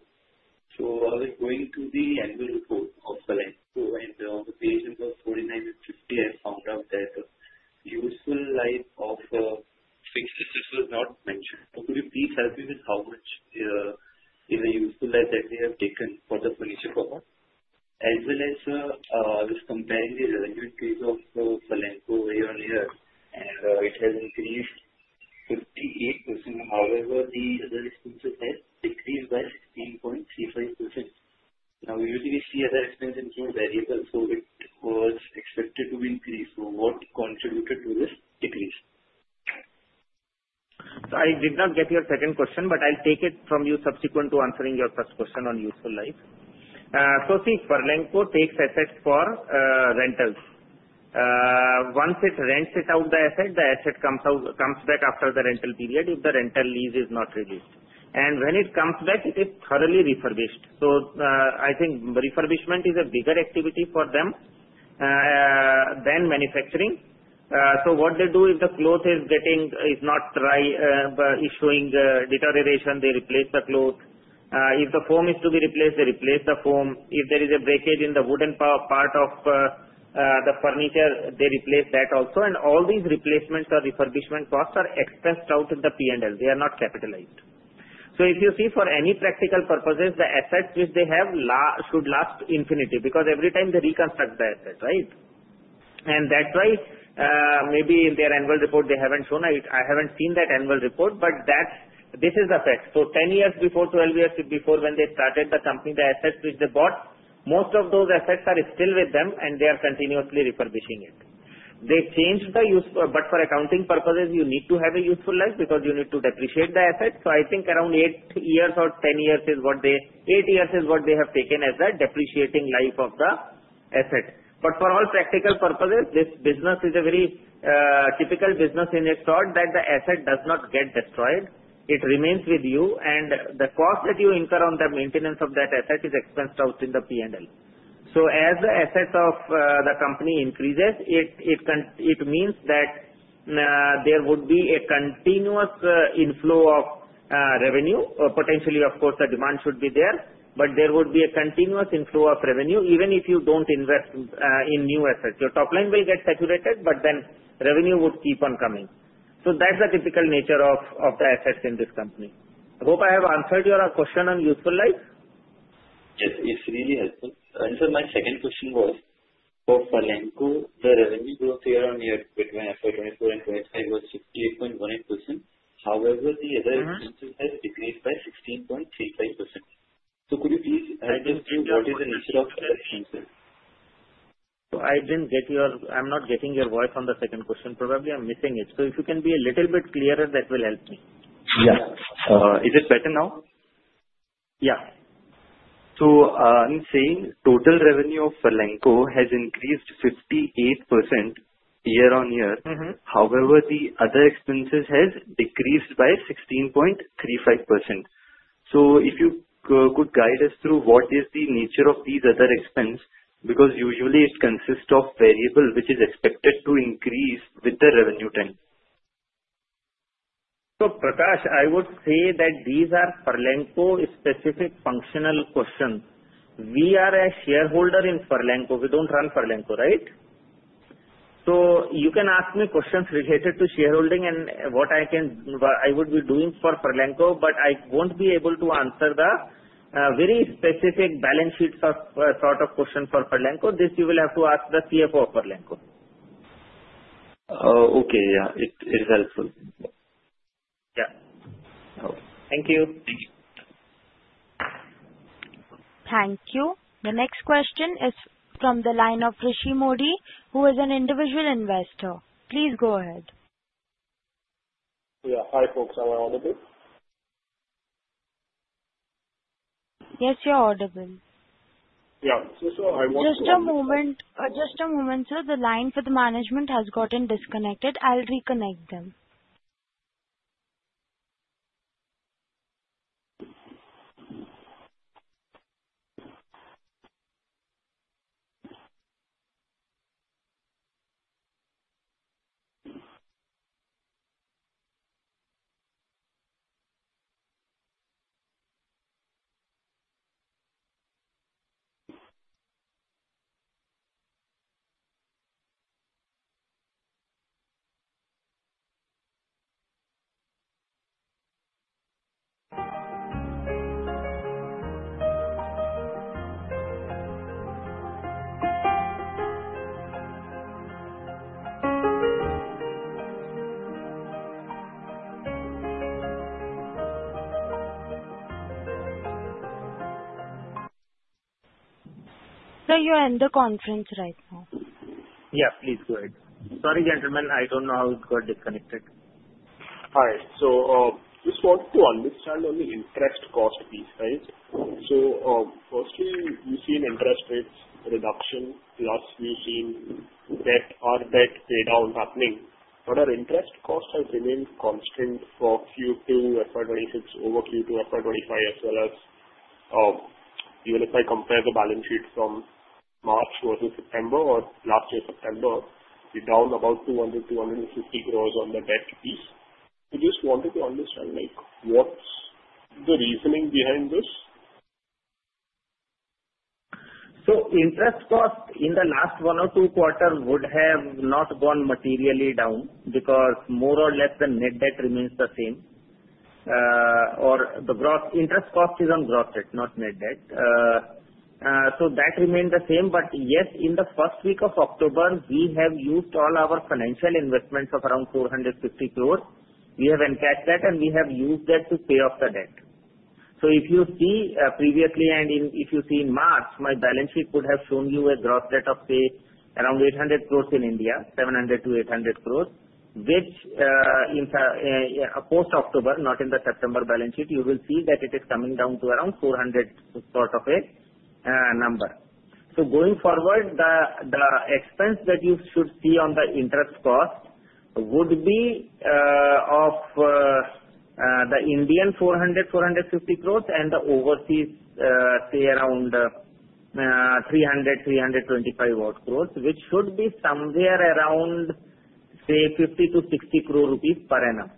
So, I was going to the annual report of Furlenco, and on the page number 49 and 50, I found out that the useful life of fixed assets was not mentioned. Could you please help me with how much is the useful life that they have taken for the furniture company, as well as comparing the revenue increase of Furlenco year-on-year, and it has increased 58%. However, the other expenses have decreased by 16.35%. Now, usually, we see other expenses include variables, so it was expected to be increased, so what contributed to this decrease? I did not get your second question, but I'll take it from you subsequent to answering your first question on useful life. See, Furlenco takes assets for rentals. Once it rents it out, the asset comes back after the rental period if the rental lease is not renewed. And when it comes back, it is thoroughly refurbished. I think refurbishment is a bigger activity for them than manufacturing. What they do if the cloth is showing deterioration, they replace the cloth. If the foam is to be replaced, they replace the foam. If there is a breakage in the wooden part of the furniture, they replace that also. And all these replacements or refurbishment costs are expensed out in the P&L. They are not capitalized. So if you see, for any practical purposes, the assets which they have should last infinity because every time they reconstruct the asset, right? And that's why maybe in their annual report, they haven't shown. I haven't seen that annual report, but this is the fact. So 10 years before, 12 years before, when they started the company, the assets which they bought, most of those assets are still with them, and they are continuously refurbishing it. They changed the useful, but for accounting purposes, you need to have a useful life because you need to depreciate the asset. So I think around 8 years or 10 years is what they have taken as the depreciating life of the asset. But for all practical purposes, this business is a very typical business in its sort that the asset does not get destroyed. It remains with you, and the cost that you incur on the maintenance of that asset is expressed out in the P&L. So as the assets of the company increases, it means that there would be a continuous inflow of revenue. Potentially, of course, the demand should be there, but there would be a continuous inflow of revenue even if you don't invest in new assets. Your top line will get saturated, but then revenue would keep on coming. So that's the typical nature of the assets in this company. I hope I have answered your question on useful life. Yes. It's really helpful. And sir, my second question was for Furlenco, the revenue growth year-on-year between FY 2024 and FY 2025 was 68.18%. However, the other expenses have decreased by 16.35%. So could you please help us to what is the nature of other expenses? So, I didn't get your. I'm not getting your voice on the second question. Probably, I'm missing it, so if you can be a little bit clearer, that will help me. Yeah. Is it better now? Yeah. So I'm saying total revenue of Furlenco has increased 58% year-on-year. However, the other expenses have decreased by 16.35%. So if you could guide us through what is the nature of these other expenses because usually, it consists of variable which is expected to increase with the revenue trend. So Prakash, I would say that these are Furlenco-specific functional questions. We are a shareholder in Furlenco. We don't run Furlenco, right? So you can ask me questions related to shareholding and what I would be doing for Furlenco, but I won't be able to answer the very specific balance sheet sort of question for Furlenco. This you will have to ask the CFO of Furlenco. Okay. Yeah. It is helpful. Yeah. Thank you. Thank you. Thank you. The next question is from the line of Rishi Modi, who is an individual investor. Please go ahead. Yeah. Hi, folks. Am I audible? Yes, you're audible. Yeah. So I want to. Just a moment. Just a moment, sir. The line for the management has gotten disconnected. I'll reconnect them. Sir, you're in the conference right now. Yeah. Please go ahead. Sorry, gentlemen. I don't know how it got disconnected. All right. So just wanted to understand on the interest cost piece, right? So firstly, we've seen interest rates reduction. Plus, we've seen debt or debt paydown happening. But our interest cost has remained constant for Q2, FY 2026, over Q2, FY 2025, as well as even if I compare the balance sheet from March versus September or last year, September, we're down about 200-250 crores on the debt piece. So just wanted to understand what's the reasoning behind this? So interest cost in the last one or two quarters would have not gone materially down because more or less the net debt remains the same. Or the gross interest cost is on gross debt, not net debt. So that remained the same. But yes, in the first week of October, we have used all our financial investments of around 450 crores. We have encashed that, and we have used that to pay off the debt. So if you see previously, and if you see in March, my balance sheet would have shown you a gross debt of, say, around 800 crores in India, 700-800 crores, which in post-October, not in the September balance sheet, you will see that it is coming down to around 400 crore sort of a number. So going forward, the expense that you should see on the interest cost would be of the Indian 400-450 crores, and the overseas, say, around 300-325 crores, which should be somewhere around, say, 50-60 crore rupees per annum.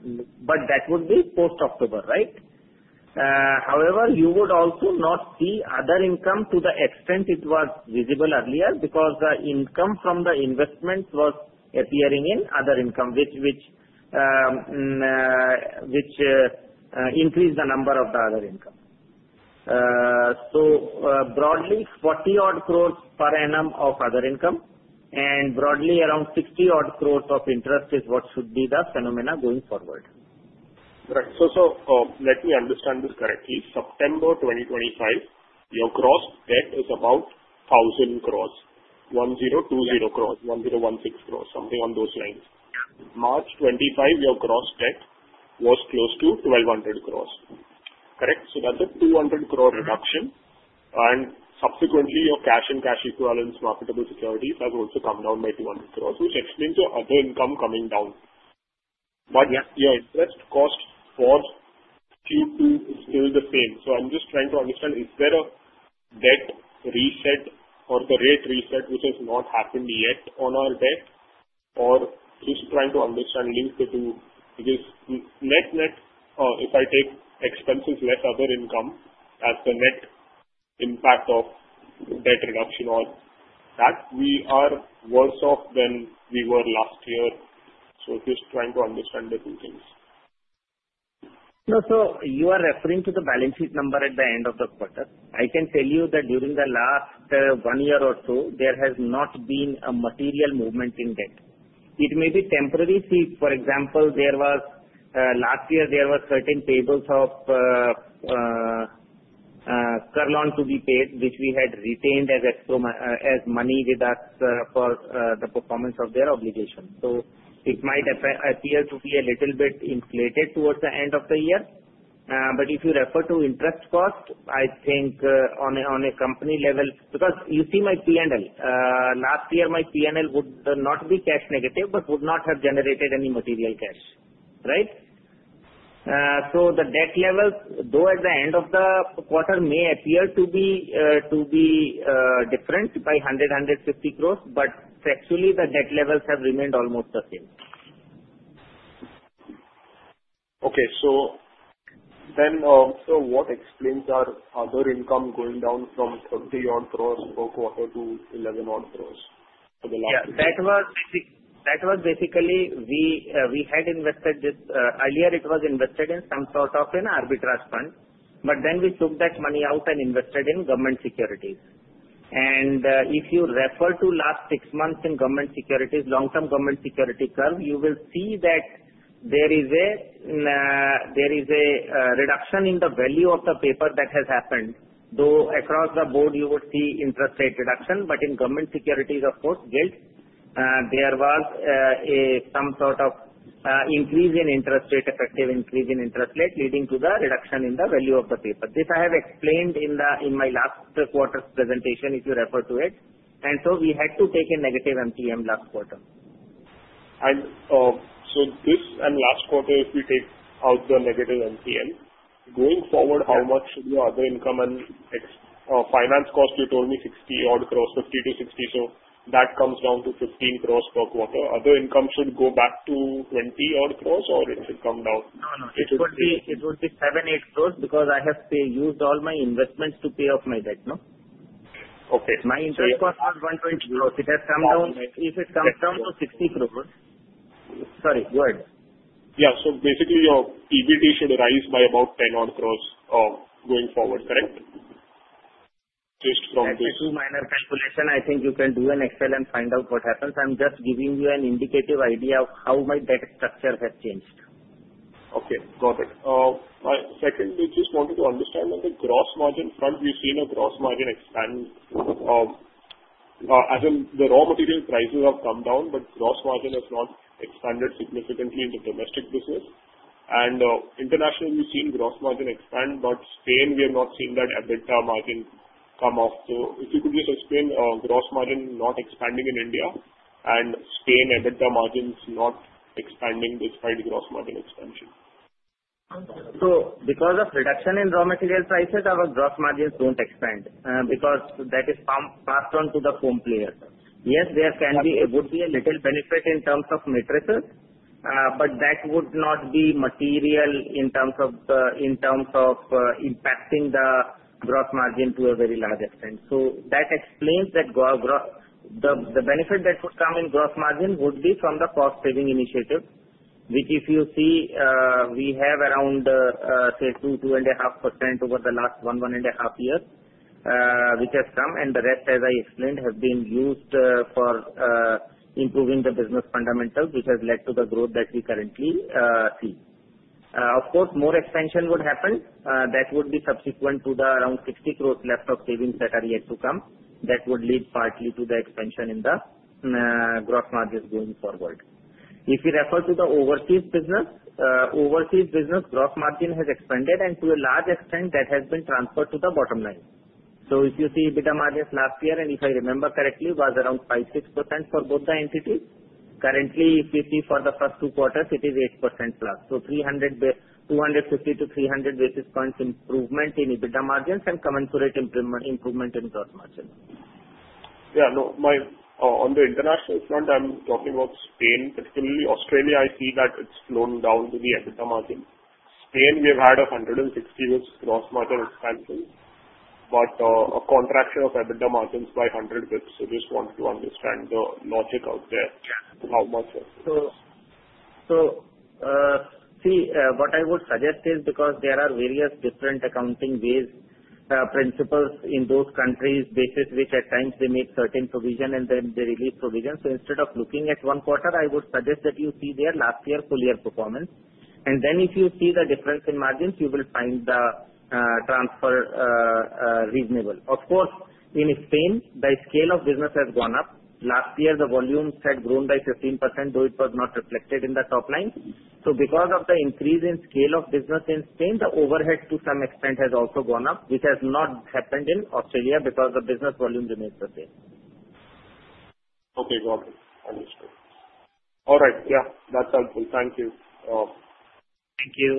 But that would be post-October, right? However, you would also not see other income to the extent it was visible earlier because the income from the investments was appearing in other income, which increased the number of the other income. So broadly, 40-odd crores per annum of other income, and broadly, around 60-odd crores of interest is what should be the phenomenon going forward. Right. So let me understand this correctly. September 2025, your gross debt is about 1,000 crores, 1,020 crores, 1,016 crores, something on those lines. March 2025, your gross debt was close to 1,200 crores. Correct? So that's an 200-crore reduction. And subsequently, your cash and cash equivalents, marketable securities have also come down by 200 crores, which explains your other income coming down. But your interest cost for Q2 is still the same. So I'm just trying to understand, is there a debt reset or the rate reset which has not happened yet on our debt? Or just trying to understand linked to because net net, if I take expenses less other income as the net impact of debt reduction on that, we are worse off than we were last year. So just trying to understand the two things. No, sir, you are referring to the balance sheet number at the end of the quarter. I can tell you that during the last one year or so, there has not been a material movement in debt. It may be temporary. See, for example, last year, there were certain payables of Kurlon to be paid, which we had retained as money with us for the performance of their obligation. So it might appear to be a little bit inflated towards the end of the year. But if you refer to interest cost, I think on a company level because you see my P&L. Last year, my P&L would not be cash negative but would not have generated any material cash, right? So the debt levels, though at the end of the quarter, may appear to be different by 100-150 crores, but actually, the debt levels have remained almost the same. Okay. So then also what explains our other income going down from 20-odd crores per quarter to 11-odd crores for the last year? Yeah. That was basically we had invested this earlier. It was invested in some sort of an arbitrage fund. But then we took that money out and invested in government securities. And if you refer to last six months in government securities, long-term government security curve, you will see that there is a reduction in the value of the paper that has happened. Though across the board, you would see interest rate reduction, but in government securities, of course, yield, there was some sort of increase in interest rate, effective increase in interest rate, leading to the reduction in the value of the paper. This I have explained in my last quarter's presentation if you refer to it. And so we had to take a negative MTM last quarter. And so, this and last quarter, if we take out the negative MTM, going forward, how much should your other income and finance cost? You told me 60-odd crores, 50 to 60. So that comes down to 15 crores per quarter. Other income should go back to 20-odd crores, or it should come down? No, no. It would be 7-8 crores because I have, say, used all my investments to pay off my debt, no? Okay. My interest cost was 120 crores. It has come down. Oh, my goodness. If it comes down to 60 crores. Sorry. Go ahead. Yeah. So basically, your PBT should rise by about 10-odd crores going forward, correct? Just from this. That's a two-minute calculation. I think you can do an Excel and find out what happens. I'm just giving you an indicative idea of how my debt structure has changed. Okay. Got it. Second, we just wanted to understand on the gross margin front. We've seen a gross margin expand. As in the raw material prices have come down, but gross margin has not expanded significantly in the domestic business. And internationally, we've seen gross margin expand, but Spain, we have not seen that EBITDA margin come off. So if you could just explain gross margin not expanding in India and Spain EBITDA margins not expanding despite gross margin expansion? So because of reduction in raw material prices, our gross margins don't expand because that is passed on to the foam player. Yes, there can be a little benefit in terms of mattresses, but that would not be material in terms of impacting the gross margin to a very large extent. So that explains that the benefit that would come in gross margin would be from the cost-saving initiative, which if you see, we have around, say, 2%-2.5% over the last one to one and a half years, which has come. And the rest, as I explained, has been used for improving the business fundamentals, which has led to the growth that we currently see. Of course, more expansion would happen. That would be subsequent to the around 60 crores left of savings that are yet to come. That would lead partly to the expansion in the gross margins going forward. If you refer to the overseas business, overseas business gross margin has expanded, and to a large extent, that has been transferred to the bottom line. So if you see EBITDA margins last year, and if I remember correctly, it was around 5%-6% for both the entities. Currently, if you see for the first two quarters, it is 8%+. So 250 to 300 basis points improvement in EBITDA margins and commensurate improvement in gross margins. Yeah. No, on the international front, I'm talking about Spain. Particularly, Australia, I see that it's slowing down the EBITDA margin. Spain, we have had a 160 bps gross margin expansion, but a contraction of EBITDA margins by 100 bps. So just wanted to understand the logic out there. How much? So see, what I would suggest is because there are various different accounting ways, principles in those countries, basis which at times they make certain provision and then they release provision. So instead of looking at one quarter, I would suggest that you see their last year full-year performance. And then if you see the difference in margins, you will find the transfer reasonable. Of course, in Spain, the scale of business has gone up. Last year, the volumes had grown by 15%, though it was not reflected in the top line. So because of the increase in scale of business in Spain, the overhead to some extent has also gone up, which has not happened in Australia because the business volume remains the same. Okay. Got it. Understood. All right. Yeah. That's helpful. Thank you. Thank you.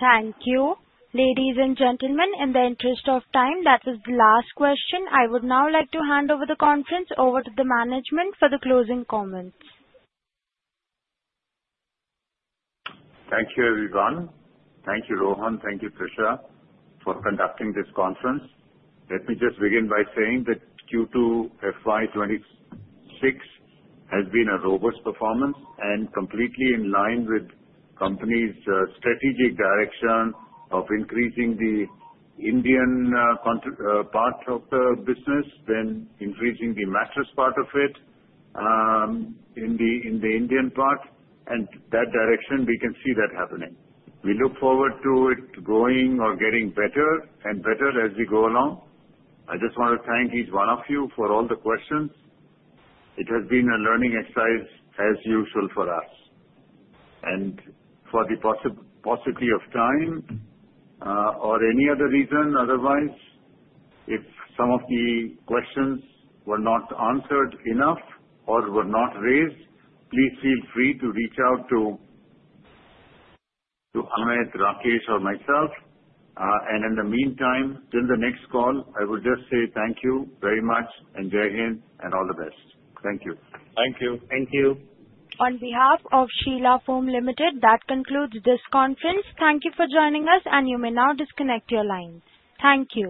Thank you. Ladies and gentlemen, in the interest of time, that was the last question. I would now like to hand over the conference to the management for the closing comments. Thank you, everyone. Thank you, Rohan. Thank you, Disha, for conducting this conference. Let me just begin by saying that Q2, FY 2026 has been a robust performance and completely in line with the company's strategic direction of increasing the Indian part of the business, then increasing the mattress part of it in the Indian part, and that direction, we can see that happening. We look forward to it growing or getting better and better as we go along. I just want to thank each one of you for all the questions. It has been a learning exercise, as usual, for us, and for the paucity of time or any other reason, otherwise, if some of the questions were not answered enough or were not raised, please feel free to reach out to Amit, Rakesh, or myself. And in the meantime, till the next call, I would just say thank you very much and again and all the best. Thank you. Thank you. Thank you. On behalf of Sheela Foam Limited, that concludes this conference. Thank you for joining us, and you may now disconnect your line. Thank you.